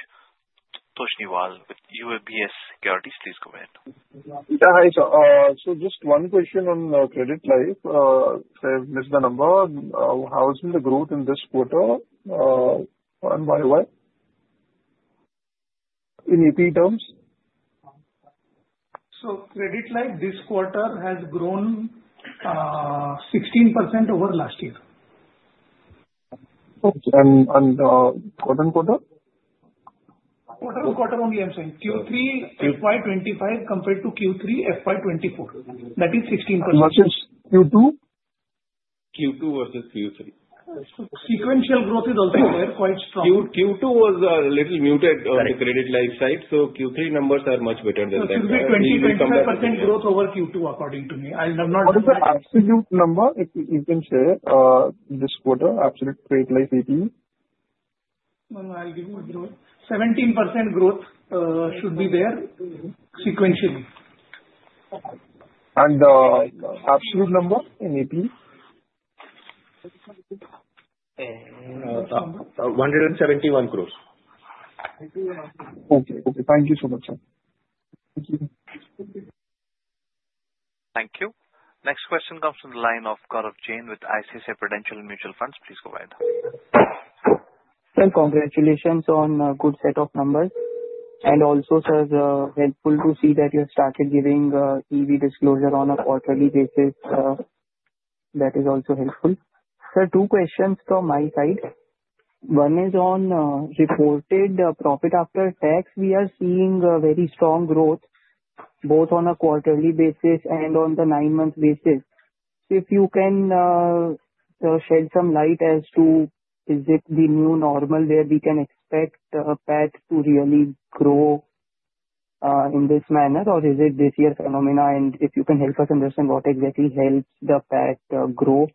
Toshniwal with UBS Securities. Please go ahead. Yeah. Hi. So just one question on credit life. I've missed the number. How's the growth in this quarter and why? In APE terms? So credit life this quarter has grown 16% over last year. And quarter-and-quarter? Quarter-and-quarter only, I'm saying. Q3 FY 2025 compared to Q3 FY 2024. That is 16%. Versus Q2? Q2 versus Q3. Sequential growth is also there quite strong. Q2 was a little muted on the credit life side. So Q3 numbers are much better than that. So it should be 20% growth over Q2, according to me. I'll have not. What is the absolute number you can share this quarter? Absolute credit life EP? I'll give you a growth. 17% growth should be there sequentially. And the absolute number in EP? 171 crores. Okay. Okay. Thank you so much, sir. Thank you. Thank you. Next question comes from the line of Gaurav Jain with ICICI Prudential Mutual Fund. Please go ahead. Sir, congratulations on a good set of numbers. And also, sir, it's helpful to see that you have started giving EV disclosure on a quarterly basis. That is also helpful. Sir, two questions from my side. One is on reported profit after tax. We are seeing very strong growth both on a quarterly basis and on the nine-month basis. So if you can shed some light as to, is it the new normal where we can expect PAT to really grow in this manner, or is it this year's phenomenon? And if you can help us understand what exactly helps the PAT grow?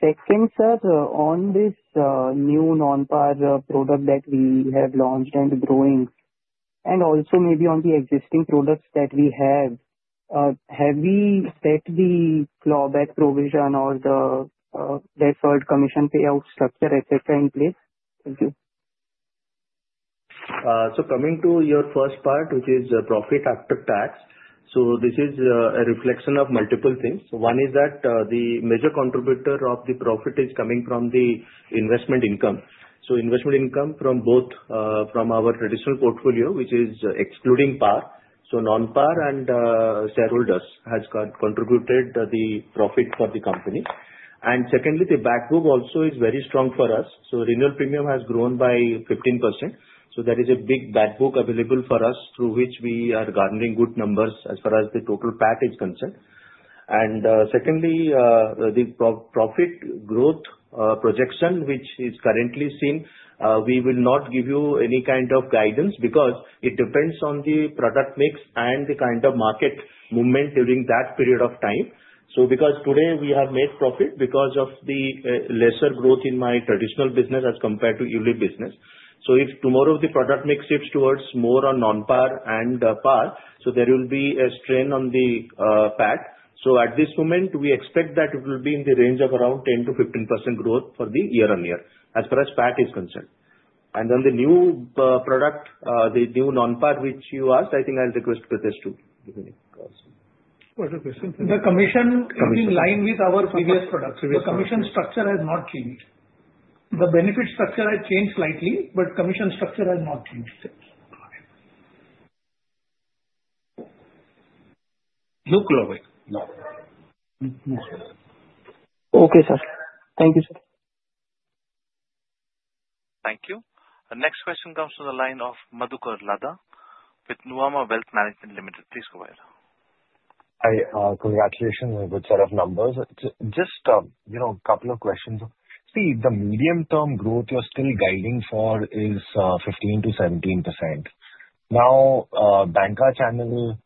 Second, sir, on this new non-PAR product that we have launched and growing, and also maybe on the existing products that we have, have we set the clawback provision or the deferred commission payout structure, etc., in place? Thank you. So coming to your first part, which is profit after tax. So this is a reflection of multiple things. One is that the major contributor of the profit is coming from the investment income. So investment income from both our traditional portfolio, which is excluding PAR. So, non-PAR and shareholders have contributed the profit for the company. And secondly, the backbook also is very strong for us. So, renewal premium has grown by 15%. So, that is a big backbook available for us through which we are garnering good numbers as far as the total PAT is concerned. And secondly, the profit growth projection, which is currently seen, we will not give you any kind of guidance because it depends on the product mix and the kind of market movement during that period of time. So, because today we have made profit because of the lesser growth in my traditional business as compared to unit business. So, if tomorrow the product mix shifts towards more on non-PAR and PAR, so there will be a strain on the PAT. So at this moment, we expect that it will be in the range of around 10%-15% growth for the year-on-year, as far as PAT is concerned. And then the new product, the new non-PAR, which you asked, I think I'll request Prithesh to answer. What a question. The commission is in line with our previous products. The commission structure has not changed. The benefit structure has changed slightly, but commission structure has not changed. No clawback. No. Okay, sir. Thank you, sir. Thank you. Next question comes from the line of Madhukar Ladha with Nuvama Wealth Management Limited. Please go ahead. Hi. Congratulations on a good set of numbers. Just a couple of questions. See, the medium-term growth you're still guiding for is 15%-17%. Now, bank channel,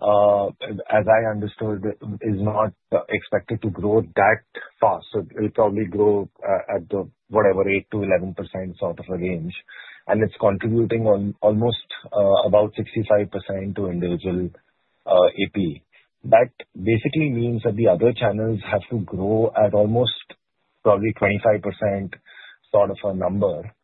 as I understood, is not expected to grow that fast. So it will probably grow at the, whatever, 8%-11% sort of a range. And it's contributing almost about 65% to individual EP. That basically means that the other channels have to grow at almost probably 25% sort of a number.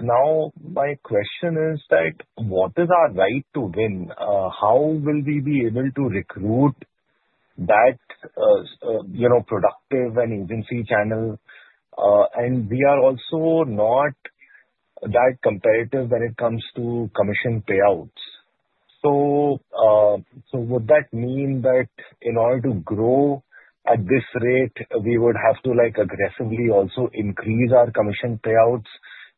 Now, my question is that what is our right to win? How will we be able to recruit that productive and agency channel? And we are also not that competitive when it comes to commission payouts. So would that mean that in order to grow at this rate, we would have to aggressively also increase our commission payouts?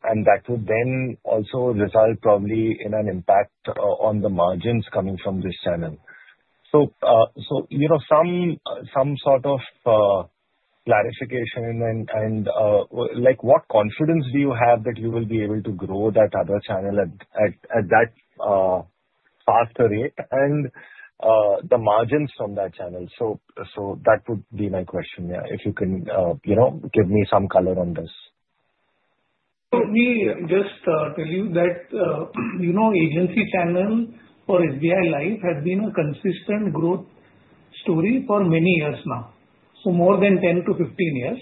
And that would then also result probably in an impact on the margins coming from this channel. So some sort of clarification and what confidence do you have that you will be able to grow that other channel at that faster rate and the margins from that channel? So that would be my question. Yeah. If you can give me some color on this. So let me just tell you that agency channel for SBI Life has been a consistent growth story for many years now, so more than 10-15 years.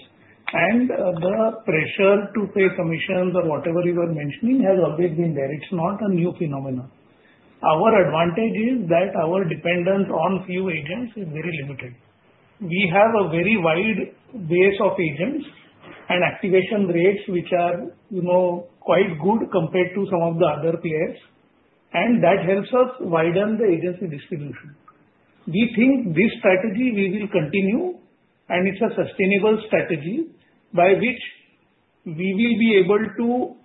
And the pressure to pay commissions or whatever you were mentioning has always been there. It's not a new phenomenon. Our advantage is that our dependence on few agents is very limited. We have a very wide base of agents and activation rates which are quite good compared to some of the other players. And that helps us widen the agency distribution. We think this strategy we will continue, and it's a sustainable strategy by which we will be able to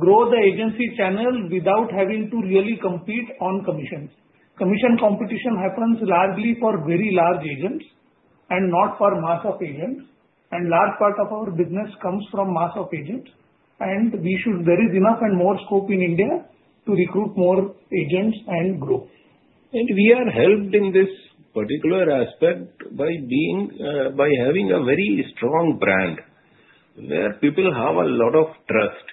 grow the agency channel without having to really compete on commission. Commission competition happens largely for very large agents and not for mass of agents. And a large part of our business comes from mass of agents. And there is enough and more scope in India to recruit more agents and growth. And we are helped in this particular aspect by having a very strong brand where people have a lot of trust.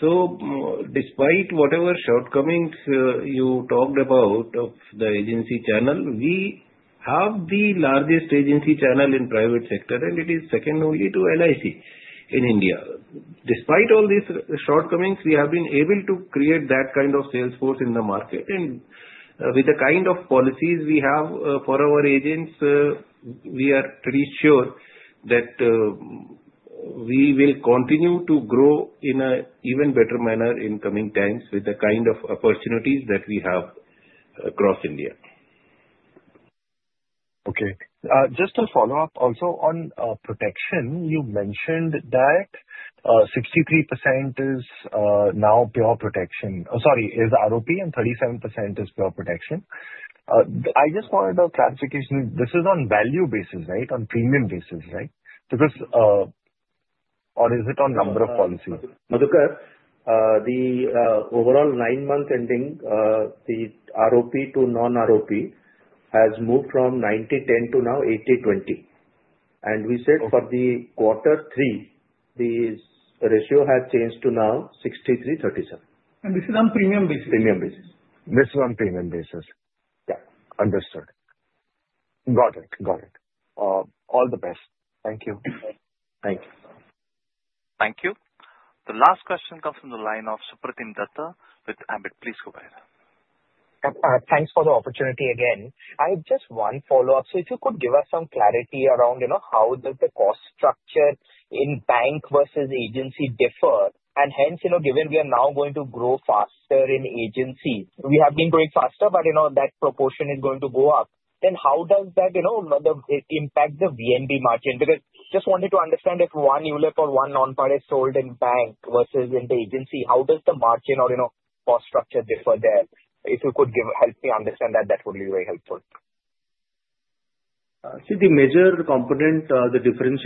So despite whatever shortcomings you talked about of the agency channel, we have the largest agency channel in private sector, and it is second only to LIC in India. Despite all these shortcomings, we have been able to create that kind of sales force in the market. And with the kind of policies we have for our agents, we are pretty sure that we will continue to grow in an even better manner in coming times with the kind of opportunities that we have across India. Okay. Just to follow up also on protection, you mentioned that 63% is now pure protection. Sorry, is ROP and 37% is pure protection. I just wanted a clarification. This is on value basis, right? On premium basis, right? Or is it on number of policies? Madhukar, the overall nine-month ending, the ROP to non-ROP has moved from 90%-10% to now 80%-20%. And we said for the quarter three, the ratio has changed to now 63%-37%. And this is on premium basis? Premium basis. This is on premium basis. Yeah. Understood. Got it. Got it. All the best. Thank you. Thank you. Thank you. The last question comes from the line of Supratim Datta with Ambit. Please go ahead. Thanks for the opportunity again. I have just one follow-up. So if you could give us some clarity around how does the cost structure in bank versus agency differ, and hence, given we are now going to grow faster in agency, we have been growing faster, but that proportion is going to go up. Then how does that impact the VNB margin? Because I just wanted to understand if one unit or one non-PAR is sold in bank versus in the agency, how does the margin or cost structure differ there? If you could help me understand that, that would be very helpful. See, the major component, the between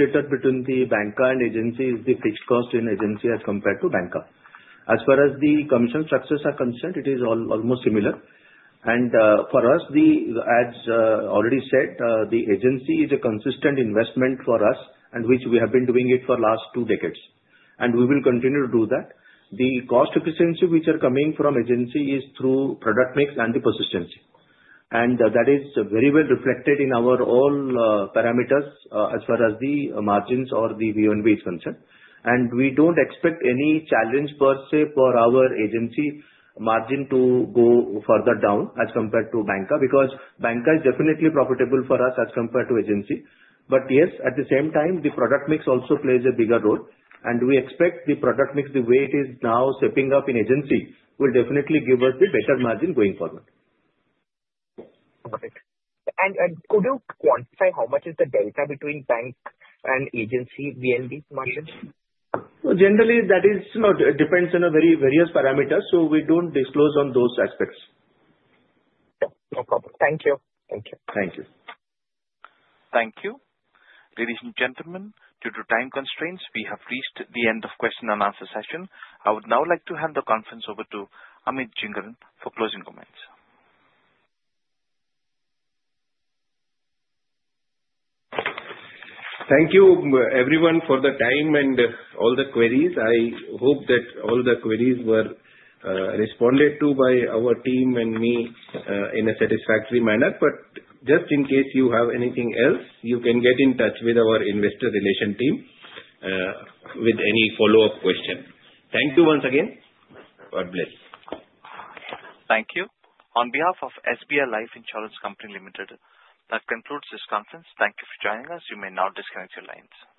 the Banca and agency is the fixed cost in agency as compared to Banca. As far as the commission structures are concerned, it is almost similar. For us, as already said, the agency is a consistent investment for us, and which we have been doing it for the last two decades. We will continue to do that. The cost efficiency which is coming from agency is through product mix and the persistency. That is very well reflected in our all parameters as far as the margins or the VNB is concerned. We don't expect any challenge per se for our agency margin to go further down as compared to Banca because Banca is definitely profitable for us as compared to agency. But yes, at the same time, the product mix also plays a bigger role. We expect the product mix, the way it is now stepping up in agency, will definitely give us the better margin going forward. Could you quantify how much is the data between bank and agency VNB margin? Generally, that depends on various parameters. So we don't disclose on those aspects. No problem. Thank you. Thank you. Thank you. Thank you. Ladies and gentlemen, due to time constraints, we have reached the end of the question and answer session. I would now like to hand the conference over to Amit Jhingran for closing comments. Thank you, everyone, for the time and all the queries. I hope that all the queries were responded to by our team and me in a satisfactory manner. But just in case you have anything else, you can get in touch with our investor relations team with any follow-up question. Thank you once again. God bless. Thank you. On behalf of SBI Life Insurance Company Limited, that concludes this conference. Thank you for joining us. You may now disconnect your lines.